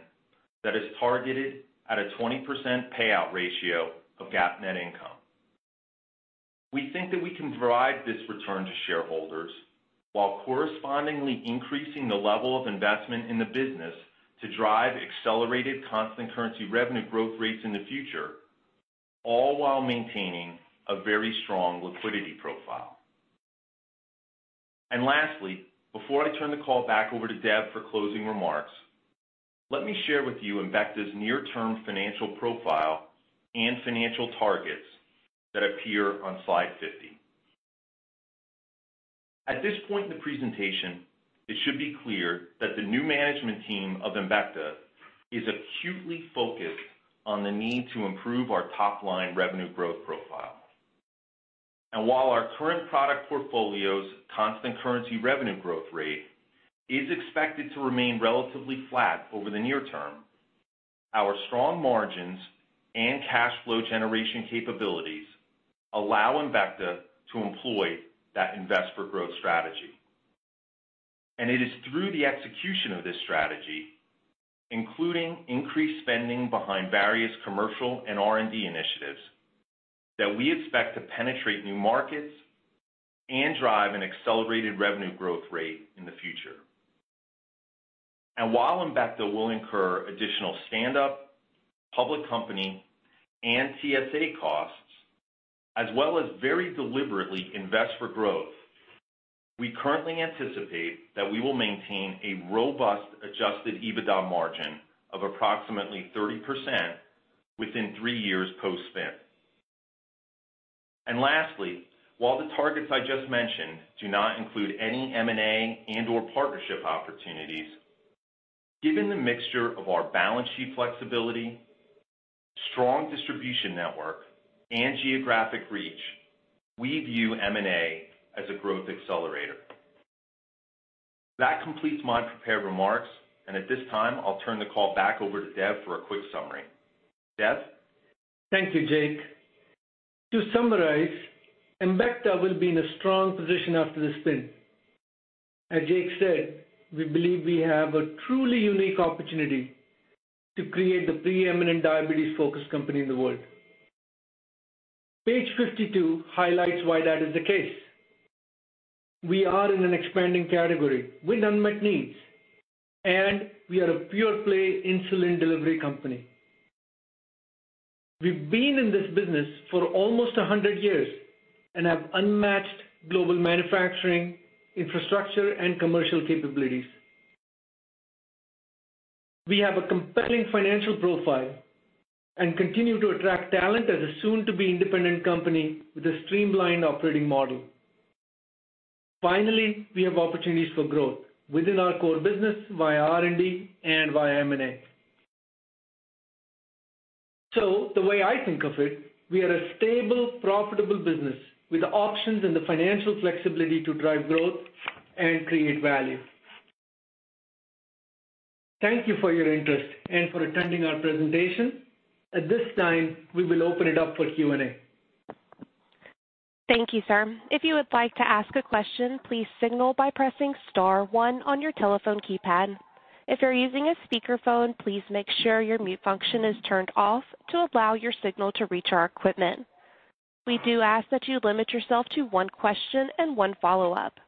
that is targeted at a 20% payout ratio of GAAP net income. We think that we can provide this return to shareholders while correspondingly increasing the level of investment in the business to drive accelerated constant currency revenue growth rates in the future, all while maintaining a very strong liquidity profile. Lastly, before I turn the call back over to Dev for closing remarks, let me share with you Embecta's near-term financial profile and financial targets that appear on slide 50. At this point in the presentation, it should be clear that the new management team of Embecta is acutely focused on the need to improve our top-line revenue growth profile. While our current product portfolio's constant currency revenue growth rate is expected to remain relatively flat over the near term, our strong margins and cash flow generation capabilities allow Embecta to employ that invest for growth strategy. It is through the execution of this strategy, including increased spending behind various commercial and R&D initiatives that we expect to penetrate new markets and drive an accelerated revenue growth rate in the future. While Embecta will incur additional stand up, public company and TSA costs, as well as very deliberately invest for growth, we currently anticipate that we will maintain a robust adjusted EBITDA margin of approximately 30% within three years post-spin. Lastly, while the targets I just mentioned do not include any M&A and/or partnership opportunities, given the mixture of our balance sheet flexibility, strong distribution network and geographic reach, we view M&A as a growth accelerator. That completes my prepared remarks, and at this time I'll turn the call back over to Dev for a quick summary. Dev? Thank you, Jake. To summarize, Embecta will be in a strong position after the spin. As Jake said, we believe we have a truly unique opportunity to create the preeminent diabetes focus company in the world. Page 52 highlights why that is the case. We are in an expanding category with unmet needs, and we are a pure play insulin delivery company. We've been in this business for almost 100 years and have unmatched global manufacturing, infrastructure and commercial capabilities. We have a compelling financial profile and continue to attract talent as a soon to be independent company with a streamlined operating model. Finally, we have opportunities for growth within our core business via R&D and via M&A. The way I think of it, we are a stable, profitable business with the options and the financial flexibility to drive growth and create value. Thank you for your interest and for attending our presentation. At this time, we will open it up for Q&A. Thank you, sir. If you would like to ask a question, please signal by pressing star one on your telephone keypad. If you're using a speakerphone, please make sure your mute function is turned off to allow your signal to reach our equipment. We do ask that you limit yourself to one question and one follow-up.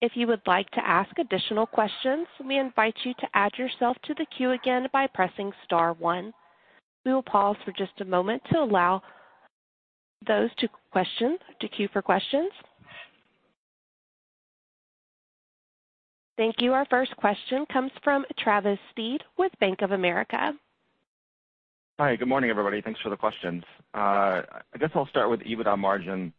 If you would like to ask additional questions, we invite you to add yourself to the queue again by pressing star one. We will pause for just a moment to allow those to queue for questions. Thank you. Our first question comes from Travis Steed with Bank of America. Hi, good morning, everybody. Thanks for the questions. I guess I'll start with EBITDA margin.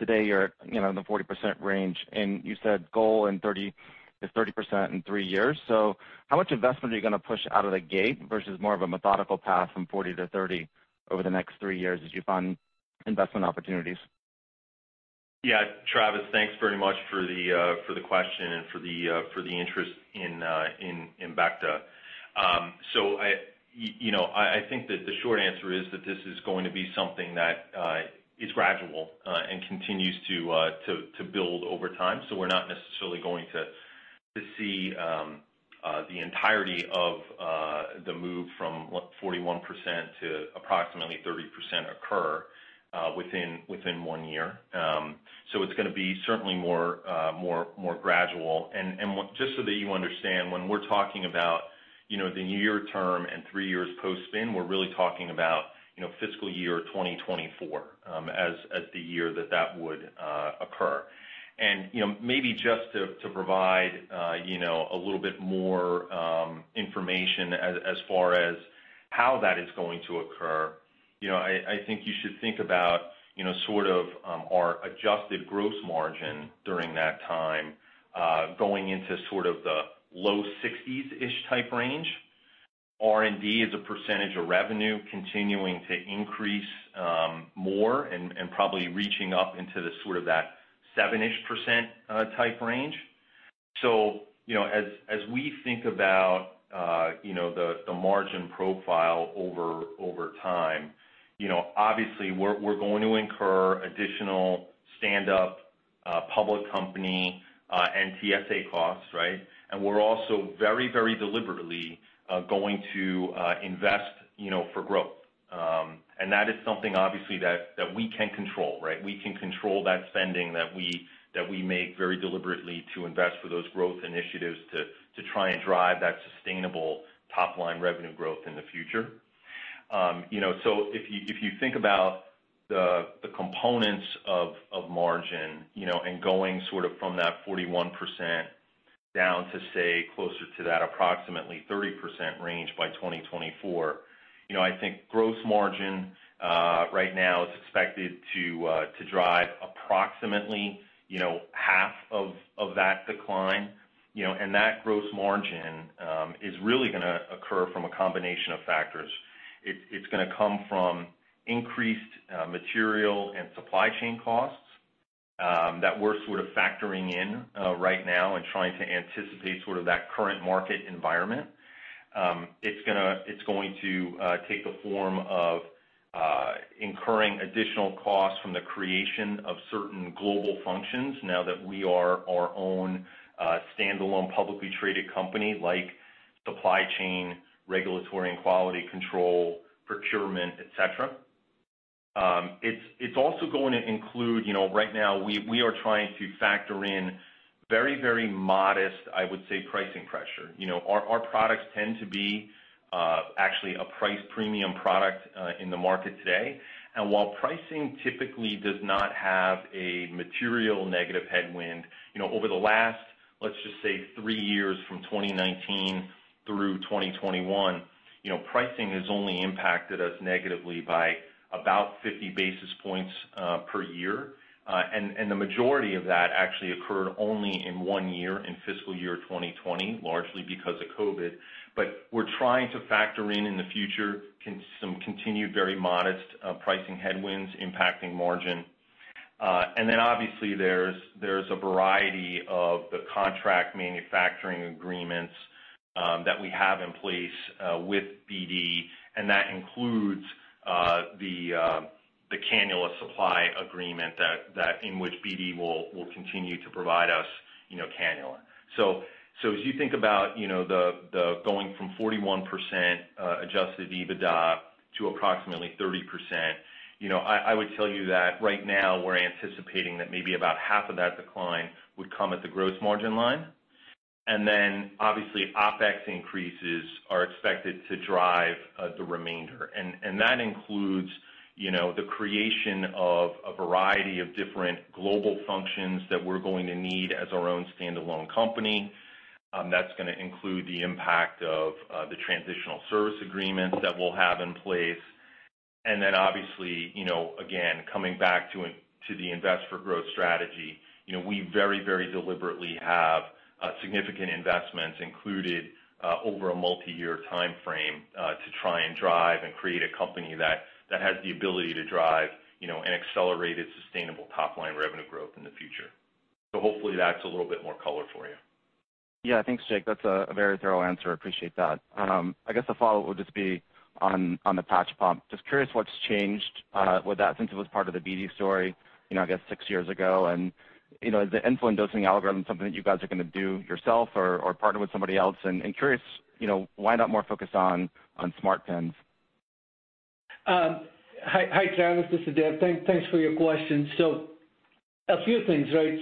Today you're, you know, in the 40% range, and you said goal in 30, is 30% in three years. How much investment are you going to push out of the gate versus more of a methodical path from 40%-30% over the next three years as you find investment opportunities? Yeah, Travis, thanks very much for the question and for the interest in Embecta. You know, I think that the short answer is that this is going to be something that is gradual and continues to build over time. We're not necessarily going to see the entirety of the move from what 41% to approximately 30% occur within one year. It's gonna be certainly more gradual. Just so that you understand, when we're talking about the near term and three years post-spin, we're really talking about fiscal year 2024 as the year that that would occur. You know, maybe just to provide you know, a little bit more information as far as how that is going to occur. You know, I think you should think about you know, sort of, our adjusted gross margin during that time going into sort of the low 60s%-ish type range. R&D as a percentage of revenue continuing to increase more and probably reaching up into the sort of that 7%-ish type range. You know, as we think about you know, the margin profile over time you know, obviously we're going to incur additional stand up public company and TSA costs, right? We're also very very deliberately going to invest you know, for growth. That is something obviously that we can control, right? We can control that spending that we make very deliberately to invest for those growth initiatives to try and drive that sustainable top line revenue growth in the future. If you think about the components of margin, you know, and going sort of from that 41% down to say, closer to that approximately 30% range by 2024, you know, I think gross margin right now is expected to drive approximately half of that decline. That gross margin is really gonna occur from a combination of factors. It's gonna come from increased material and supply chain costs that we're sort of factoring in right now and trying to anticipate sort of that current market environment. It's going to take the form of incurring additional costs from the creation of certain global functions now that we are our own standalone, publicly traded company like supply chain, regulatory and quality control, procurement, et cetera. It's also going to include, you know, right now we are trying to factor in very, very modest, I would say, pricing pressure. You know, our products tend to be actually a price premium product in the market today. While pricing typically does not have a material negative headwind, you know, over the last, let's just say, three years from 2019 through 2021, you know, pricing has only impacted us negatively by about 50 basis points per year. And the majority of that actually occurred only in one year, in fiscal year 2020, largely because of COVID. We're trying to factor in the future some continued very modest pricing headwinds impacting margin. And then obviously, there's a variety of the contract manufacturing agreements that we have in place with BD, and that includes the cannula supply agreement that in which BD will continue to provide us, you know, cannula. As you think about, you know, the going from 41% adjusted EBITDA to approximately 30%, you know, I would tell you that right now we're anticipating that maybe about half of that decline would come at the gross margin line. OpEx increases are expected to drive the remainder. That includes, you know, the creation of a variety of different global functions that we're going to need as our own standalone company. That's gonna include the impact of the transitional service agreements that we'll have in place. Obviously, you know, again, coming back to into the invest for growth strategy, you know, we very, very deliberately have significant investments included over a multi-year timeframe to try and create a company that has the ability to drive, you know, an accelerated, sustainable top-line revenue growth in the future. Hopefully that's a little bit more color for you. Yeah. Thanks, Jake. That's a very thorough answer. Appreciate that. I guess the follow-up would just be on the patch pump. Just curious what's changed with that since it was part of the BD story, you know, I guess six years ago. You know, is the insulin dosing algorithm something that you guys are gonna do yourself or partner with somebody else? Curious, you know, why not more focused on smart pens? Hi, Travis, this is Dev. Thanks for your question. A few things, right?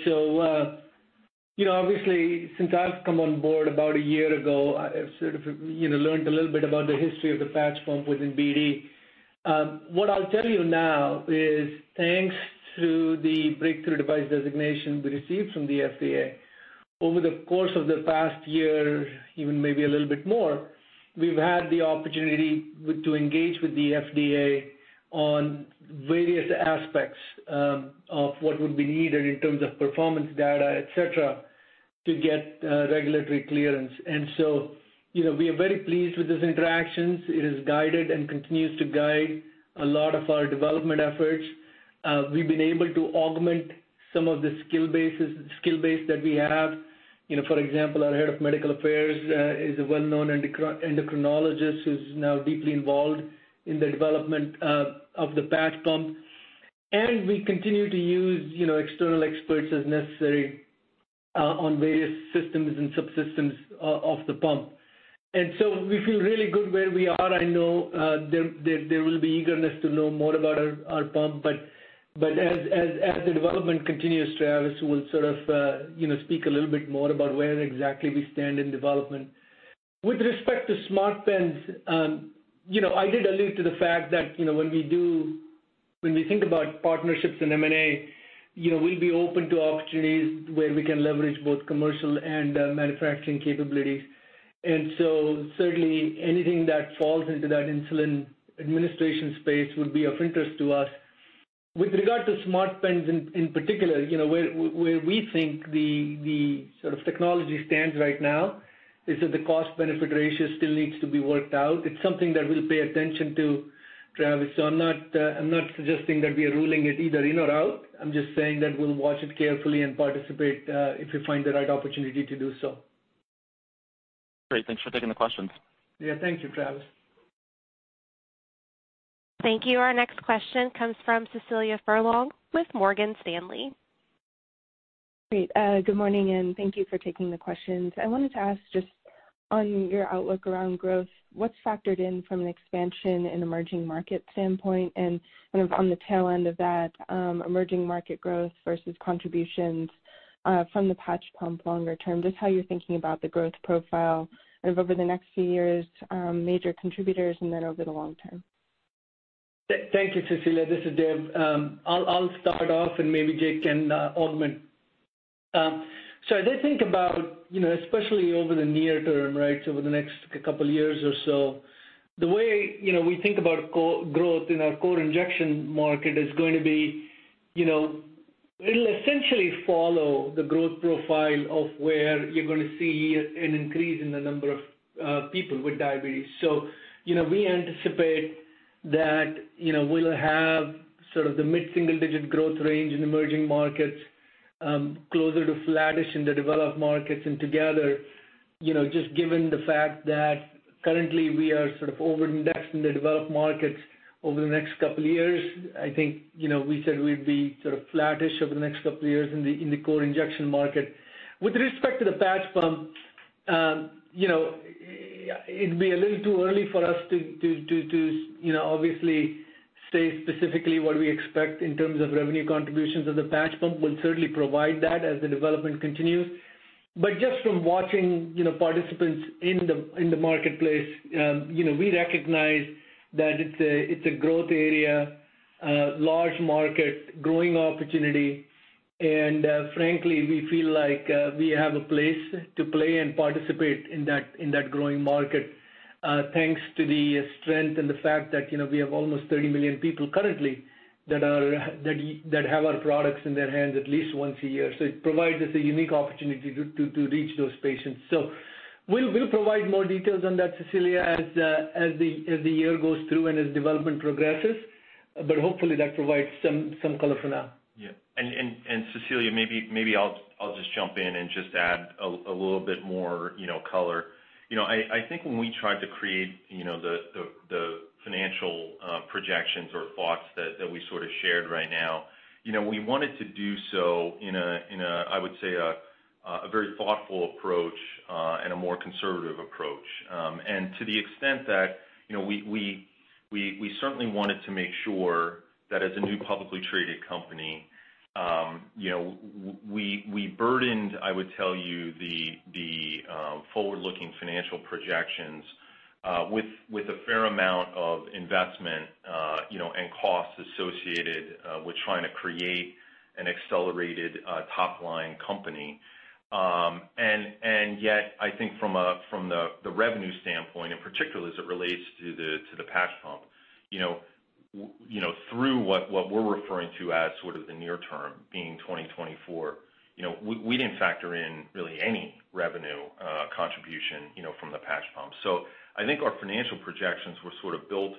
You know, obviously since I've come on board about a year ago, I've sort of, you know, learned a little bit about the history of the patch pump within BD. What I'll tell you now is, thanks to the breakthrough device designation we received from the FDA over the course of the past year, even maybe a little bit more, we've had the opportunity to engage with the FDA on various aspects of what would be needed in terms of performance data, et cetera, to get regulatory clearance. You know, we are very pleased with these interactions. It has guided and continues to guide a lot of our development efforts. We've been able to augment some of the skill base that we have. You know, for example, our head of medical affairs is a well-known endocrinologist who's now deeply involved in the development of the patch pump. We continue to use, you know, external experts as necessary on various systems and subsystems of the pump. We feel really good where we are. I know there will be eagerness to know more about our pump, but as the development continues, Travis, we'll sort of, you know, speak a little bit more about where exactly we stand in development. With respect to smart pens, you know, I did allude to the fact that, you know, when we think about partnerships and M&A, you know, we'll be open to opportunities where we can leverage both commercial and manufacturing capabilities. Certainly anything that falls into that insulin administration space would be of interest to us. With regard to smart pens in particular, you know, where we think the sort of technology stands right now is that the cost-benefit ratio still needs to be worked out. It's something that we'll pay attention to, Travis. I'm not suggesting that we are ruling it either in or out. I'm just saying that we'll watch it carefully and participate if we find the right opportunity to do so. Great. Thanks for taking the questions. Yeah. Thank you, Travis. Thank you. Our next question comes from Cecilia Furlong with Morgan Stanley. Great. Good morning, and thank you for taking the questions. I wanted to ask just on your outlook around growth, what's factored in from an expansion and emerging market standpoint? Kind of on the tail end of that, emerging market growth versus contributions from the patch pump longer term. Just how you're thinking about the growth profile of over the next few years, major contributors and then over the long term. Thank you, Cecilia. This is Dev. I'll start off, and maybe Jake can augment. As I think about, you know, especially over the near term, right? Over the next couple years or so, the way, you know, we think about core growth in our core injection market is going to be, you know, it'll essentially follow the growth profile of where you're gonna see an increase in the number of people with diabetes. We anticipate that, you know, we'll have sort of the mid-single digit growth range in emerging markets, closer to flattish in the developed markets. together, you know, just given the fact that currently we are sort of overindexed in the developed markets over the next couple years, I think, you know, we said we'd be sort of flattish over the next couple of years in the core injection market. With respect to the patch pump, you know, it'd be a little too early for us to, you know, obviously say specifically what we expect in terms of revenue contributions of the patch pump. We'll certainly provide that as the development continues. just from watching, you know, participants in the marketplace, you know, we recognize that it's a growth area, large market, growing opportunity. Frankly, we feel like we have a place to play and participate in that growing market thanks to the strength and the fact that, you know, we have almost 30 million people currently that have our products in their hands at least once a year. It provides us a unique opportunity to reach those patients. We'll provide more details on that, Cecilia, as the year goes through and as development progresses, but hopefully that provides some color for now. Yeah, Cecilia, maybe I'll just jump in and just add a little bit more, you know, color. You know, I think when we tried to create, you know, the financial projections or thoughts that we sort of shared right now, you know, we wanted to do so in a very thoughtful approach and a more conservative approach. To the extent that, you know, we certainly wanted to make sure that as a new publicly traded company, you know, we burdened, I would tell you, the forward-looking financial projections with a fair amount of investment, you know, and costs associated with trying to create an accelerated top-line company. Yet, I think from the revenue standpoint, particularly as it relates to the patch pump, you know, through what we're referring to as the near term being 2024, you know, we didn't factor in really any revenue contribution, you know, from the patch pump. I think our financial projections were sort of built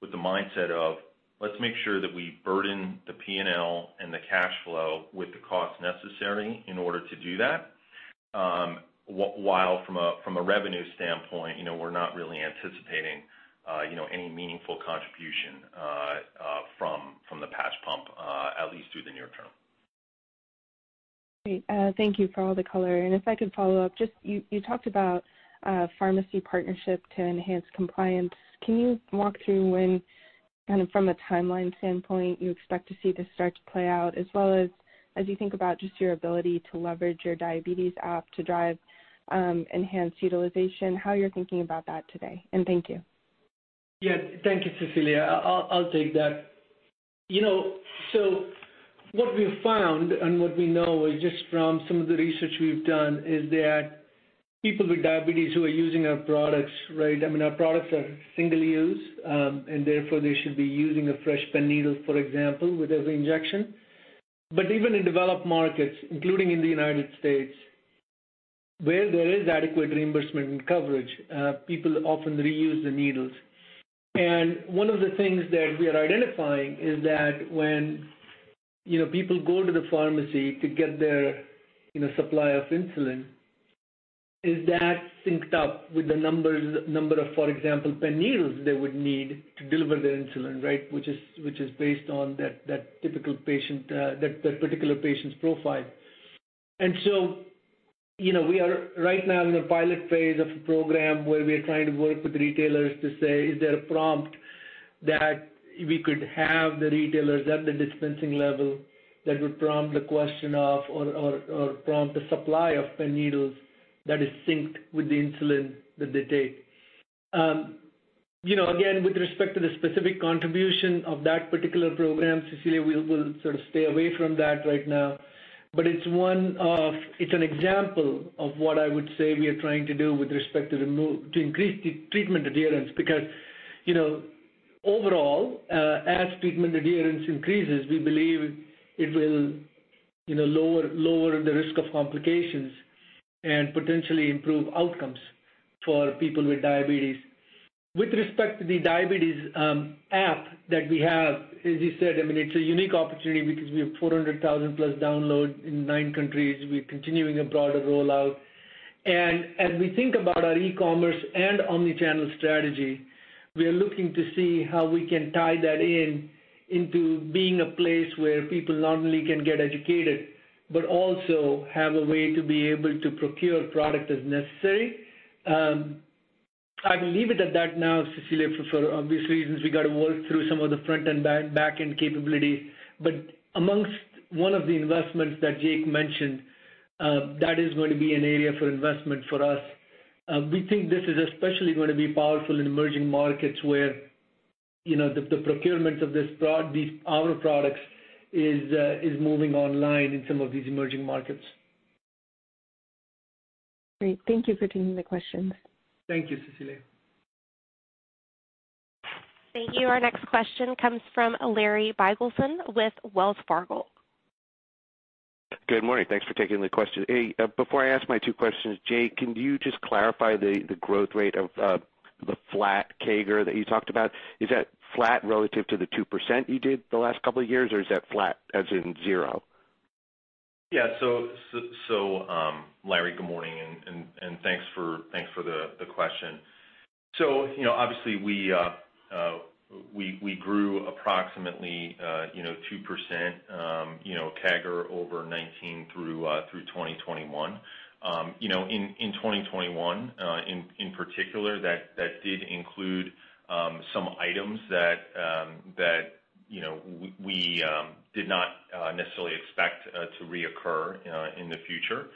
with the mindset of, let's make sure that we burden the P&L and the cash flow with the cost necessary in order to do that, while from a revenue standpoint, you know, we're not really anticipating, you know, any meaningful contribution from the patch pump, at least through the near term. Great. Thank you for all the color. If I could follow up, just you talked about pharmacy partnership to enhance compliance. Can you walk through when kind of from a timeline standpoint you expect to see this start to play out, as well as you think about just your ability to leverage your diabetes app to drive enhanced utilization, how you're thinking about that today? Thank you. Yeah. Thank you, Cecilia. I'll take that. You know, what we've found and what we know just from some of the research we've done is that people with diabetes who are using our products, right? I mean, our products are single use, and therefore they should be using a fresh pen needle, for example, with every injection. Even in developed markets, including in the United States, where there is adequate reimbursement and coverage, people often reuse the needles. One of the things that we are identifying is that when, you know, people go to the pharmacy to get their, you know, supply of insulin, is that synced up with the number of, for example, pen needles they would need to deliver their insulin, right? Which is based on that typical patient, that particular patient's profile. You know, we are right now in the pilot phase of a program where we are trying to work with retailers to say, is there a prompt that we could have the retailers at the dispensing level that would prompt a question of or prompt a supply of pen needles that is synced with the insulin that they take? You know, again, with respect to the specific contribution of that particular program, Cecilia, we'll sort of stay away from that right now. It's one of. It's an example of what I would say we are trying to do with respect to to increase the treatment adherence. You know, overall, as treatment adherence increases, we believe it will, you know, lower the risk of complications and potentially improve outcomes for people with diabetes. With respect to the diabetes app that we have, as you said, I mean, it's a unique opportunity because we have 400,000+ downloads in nine countries. We're continuing a broader rollout. As we think about our e-commerce and omnichannel strategy, we are looking to see how we can tie that in into being a place where people not only can get educated, but also have a way to be able to procure product as necessary. I will leave it at that now, Cecilia, for obvious reasons. We got to work through some of the front and back-end capabilities. But amongst one of the investments that Jake mentioned, that is going to be an area for investment for us. We think this is especially gonna be powerful in emerging markets where, you know, the procurement of these, our products is moving online in some of these emerging markets. Great. Thank you for taking the questions. Thank you, Cecilia. Thank you. Our next question comes from Larry Biegelsen with Wells Fargo. Good morning. Thanks for taking the question. Hey, before I ask my two questions, Jake, can you just clarify the growth rate of the flat CAGR that you talked about? Is that flat relative to the 2% you did the last couple of years, or is that flat as in zero? Larry, good morning, and thanks for the question. You know, obviously we grew approximately 2%, you know, CAGR over 2019 through 2021. You know, in 2021, in particular, that did include some items that you know, we did not necessarily expect to reoccur in the future.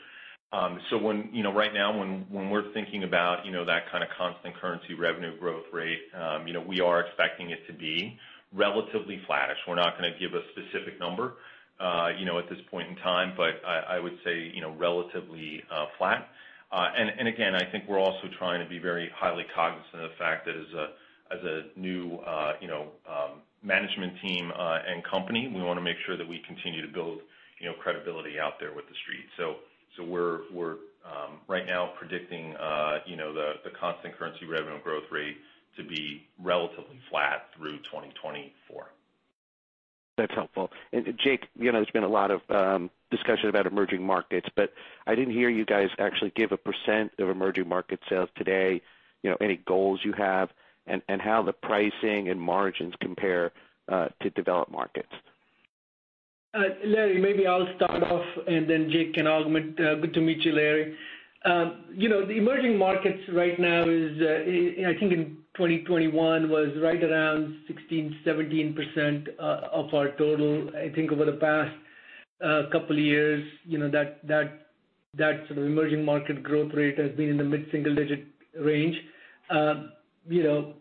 When we're thinking about that kind of constant currency revenue growth rate, you know, we are expecting it to be relatively flattish. We're not gonna give a specific number, you know, at this point in time, but I would say, you know, relatively flat. Again, I think we're also trying to be very highly cognizant of the fact that as a new management team and company, we wanna make sure that we continue to build you know credibility out there with The Street. We're right now predicting you know the constant currency revenue growth rate to be relatively flat through 2024. That's helpful. Jake, you know, there's been a lot of discussion about emerging markets, but I didn't hear you guys actually give a % of emerging market sales today, you know, any goals you have, and how the pricing and margins compare to developed markets. Larry, maybe I'll start off and then Jake can augment. Good to meet you, Larry. You know, the emerging markets right now is. I think in 2021 was right around 16%-17% of our total. I think over the past couple of years, you know, that sort of emerging market growth rate has been in the mid-single-digit range. You know,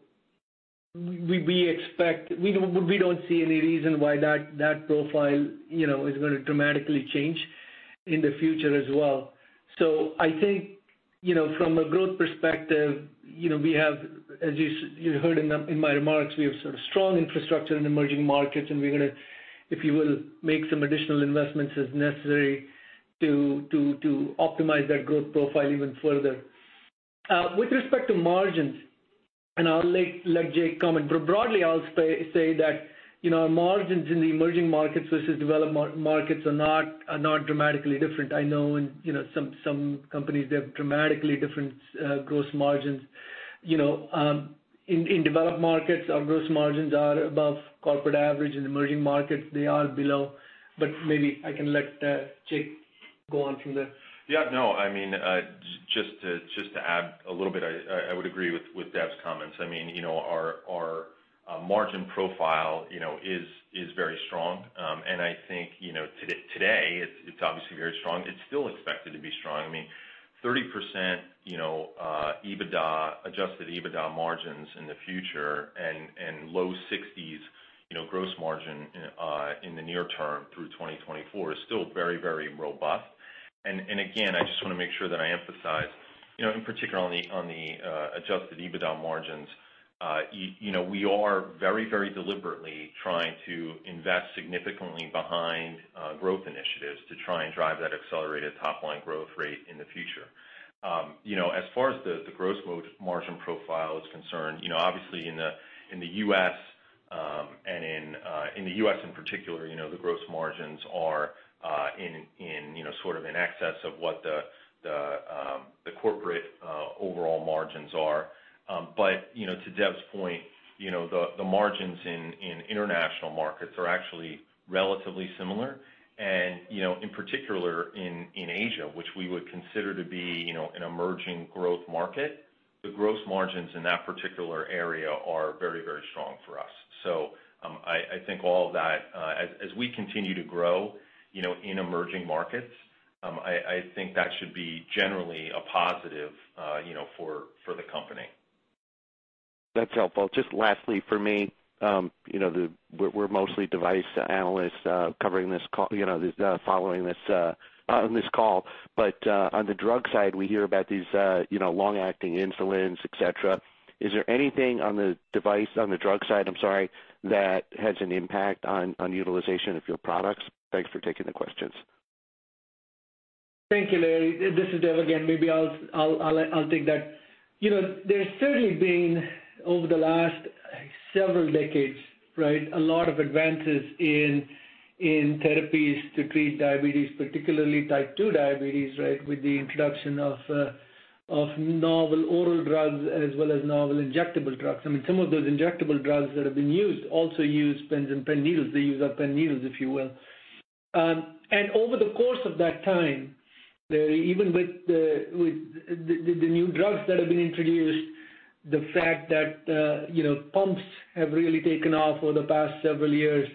we expect. We don't see any reason why that profile, you know, is gonna dramatically change in the future as well. I think, you know, from a growth perspective, you know, we have, as you heard in my remarks, we have sort of strong infrastructure in emerging markets, and we're gonna, if you will, make some additional investments as necessary to optimize that growth profile even further. With respect to margins, I'll let Jake comment, but broadly, I'll say that, you know, our margins in the emerging markets versus developed markets are not dramatically different. I know in, you know, some companies, they have dramatically different gross margins. You know, in developed markets, our gross margins are above corporate average. In emerging markets, they are below. Maybe I can let Jake go on from there. Yeah, no. I mean, just to add a little bit, I would agree with Dev's comments. I mean, you know, our margin profile, you know, is very strong. I think, you know, today it's obviously very strong. It's still expected to be strong. I mean, 30%, you know, EBITDA, adjusted EBITDA margins in the future and low 60s%, you know, gross margin in the near term through 2024 is still very, very robust. Again, I just wanna make sure that I emphasize, you know, in particular on the adjusted EBITDA margins, you know, we are very, very deliberately trying to invest significantly behind growth initiatives to try and drive that accelerated top line growth rate in the future. You know, as far as the gross margin profile is concerned, you know, obviously in the U.S., and in the U.S. in particular, you know, the gross margins are, you know, sort of in excess of what the corporate overall margins are. But, you know, to Dev's point, you know, the margins in international markets are actually relatively similar. You know, in particular in Asia, which we would consider to be, you know, an emerging growth market, the gross margins in that particular area are very, very strong for us. I think all of that, as we continue to grow, you know, in emerging markets, I think that should be generally a positive, you know, for the company. That's helpful. Just lastly for me, you know, we're mostly device analysts covering this call, you know, following this on this call. On the drug side, we hear about these, you know, long-acting insulins, et cetera. Is there anything on the drug side, I'm sorry, that has an impact on utilization of your products? Thanks for taking the questions. Thank you, Larry. This is Dev again. Maybe I'll take that. You know, there's certainly been over the last several decades, right, a lot of advances in therapies to treat diabetes, particularly type two diabetes, right? With the introduction of novel oral drugs as well as novel injectable drugs. I mean, some of those injectable drugs that have been used also use pens and pen needles. They use our pen needles, if you will. Over the course of that time, Larry, even with the new drugs that have been introduced, the fact that you know, pumps have really taken off over the past several years.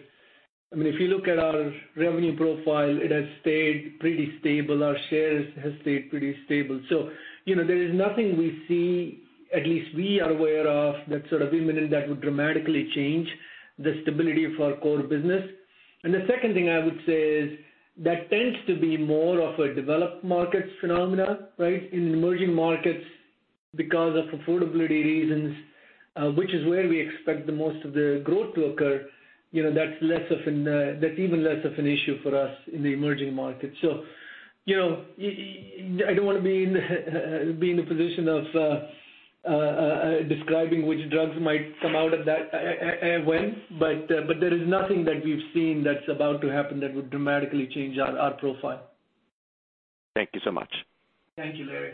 I mean, if you look at our revenue profile, it has stayed pretty stable. Our shares has stayed pretty stable. You know, there is nothing we see, at least we are aware of, that's sort of imminent that would dramatically change the stability of our core business. The second thing I would say is that tends to be more of a developed markets phenomenon, right? In emerging markets, because of affordability reasons, which is where we expect the most of the growth to occur, you know, that's even less of an issue for us in the emerging markets. You know, I don't wanna be in a position of describing which drugs might come out at that time, but there is nothing that we've seen that's about to happen that would dramatically change our profile. Thank you so much. Thank you, Larry.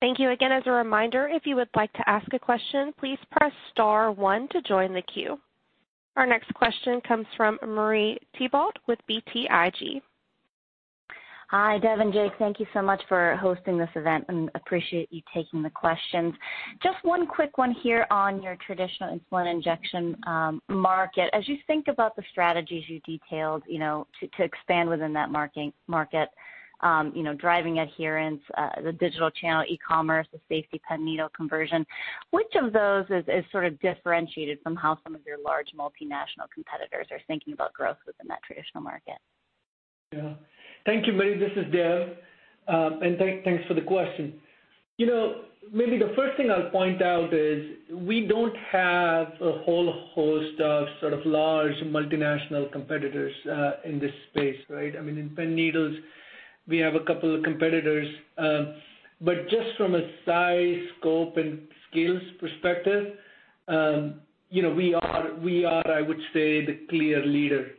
Thank you again. As a reminder, if you would like to ask a question, please press star one to join the queue. Our next question comes from Marie Thibault with BTIG. Hi, Dev and Jake. Thank you so much for hosting this event and I appreciate you taking the questions. Just one quick one here on your traditional insulin injection market. As you think about the strategies you detailed, you know, to expand within that market, you know, driving adherence, the digital channel, e-commerce, the safety pen needle conversion, which of those is sort of differentiated from how some of your large multinational competitors are thinking about growth within that traditional market? Yeah. Thank you, Marie. This is Dev, and thanks for the question. You know, maybe the first thing I'll point out is we don't have a whole host of sort of large multinational competitors in this space, right? I mean, in pen needles, we have a couple of competitors, but just from a size, scope and skills perspective, you know, we are, I would say, the clear leader.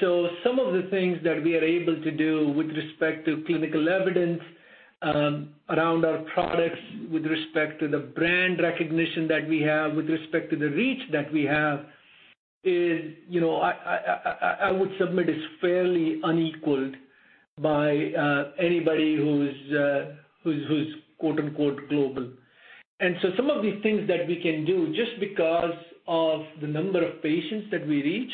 Some of the things that we are able to do with respect to clinical evidence around our products, with respect to the brand recognition that we have, with respect to the reach that we have is, you know, I would submit is fairly unequaled by anybody who's quote-unquote "global." Some of these things that we can do, just because of the number of patients that we reach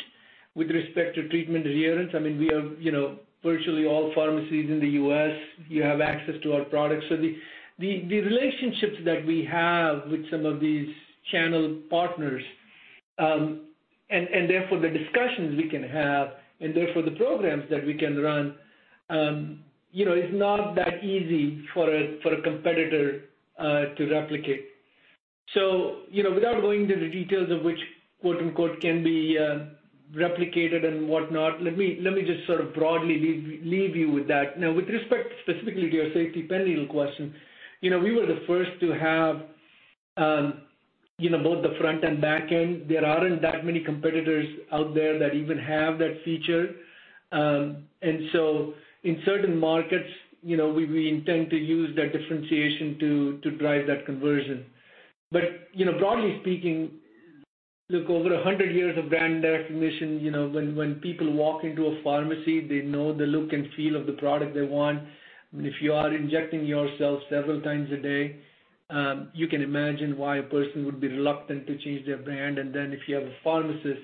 with respect to treatment adherence, I mean, we are, you know, virtually all pharmacies in the U.S., you have access to our products. The relationships that we have with some of these channel partners, and therefore the discussions we can have, and therefore the programs that we can run, you know, is not that easy for a competitor to replicate. You know, without going into the details of which, quote-unquote, "can be," replicated and whatnot, let me just sort of broadly leave you with that. Now, with respect specifically to your safety pen needle question, you know, we were the first to have, you know, both the front and back end. There aren't that many competitors out there that even have that feature. In certain markets, you know, we intend to use that differentiation to drive that conversion. You know, broadly speaking, look, over a hundred years of brand recognition, you know, when people walk into a pharmacy, they know the look and feel of the product they want. I mean, if you are injecting yourself several times a day, you can imagine why a person would be reluctant to change their brand. If you have a pharmacist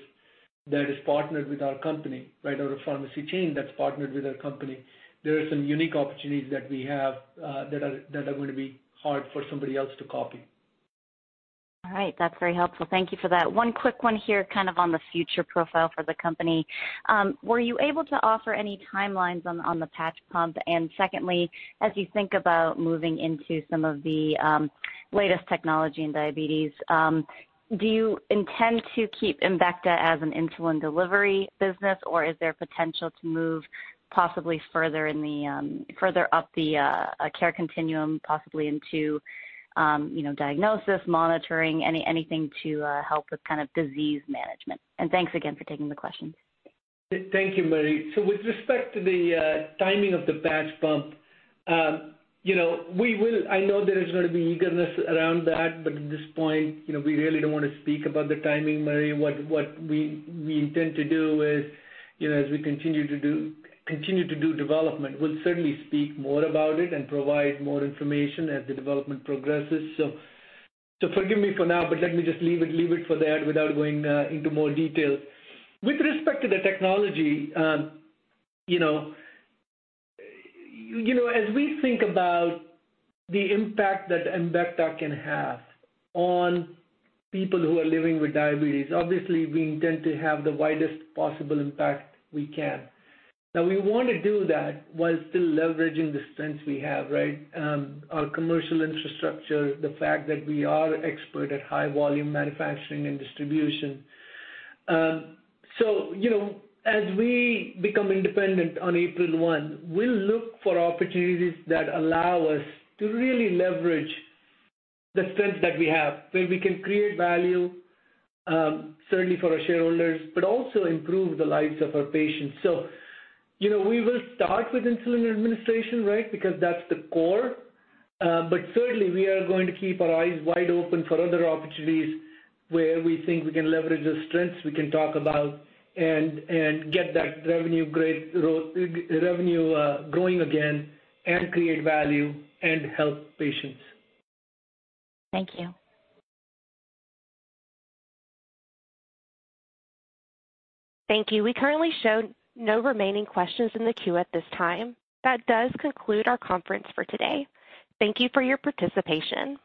that is partnered with our company, right? Or a pharmacy chain that's partnered with our company, there are some unique opportunities that we have, that are gonna be hard for somebody else to copy. All right. That's very helpful. Thank you for that. One quick one here, kind of on the future profile for the company. Were you able to offer any timelines on the patch pump? And secondly, as you think about moving into some of the latest technology in diabetes, do you intend to keep Embecta as an insulin delivery business? Or is there potential to move possibly further up the care continuum, possibly into, you know, diagnosis, monitoring, anything to help with kind of disease management? And thanks again for taking the questions. Thank you, Marie. With respect to the timing of the patch pump, you know, I know there is gonna be eagerness around that, but at this point, you know, we really don't wanna speak about the timing, Marie. What we intend to do is, you know, as we continue to do development, we'll certainly speak more about it and provide more information as the development progresses. Forgive me for now, but let me just leave it for that without going into more detail. With respect to the technology, you know, as we think about the impact that Embecta can have on people who are living with diabetes, obviously we intend to have the widest possible impact we can. Now we want to do that while still leveraging the strengths we have, right? Our commercial infrastructure, the fact that we are expert at high volume manufacturing and distribution. You know, as we become independent on April 1, we'll look for opportunities that allow us to really leverage the strengths that we have, where we can create value, certainly for our shareholders, but also improve the lives of our patients. You know, we will start with insulin administration, right? Because that's the core. Certainly we are going to keep our eyes wide open for other opportunities where we think we can leverage the strengths we can talk about and get that revenue growth growing again and create value and help patients. Thank you. Thank you. We currently show no remaining questions in the queue at this time. That does conclude our conference for today. Thank you for your participation.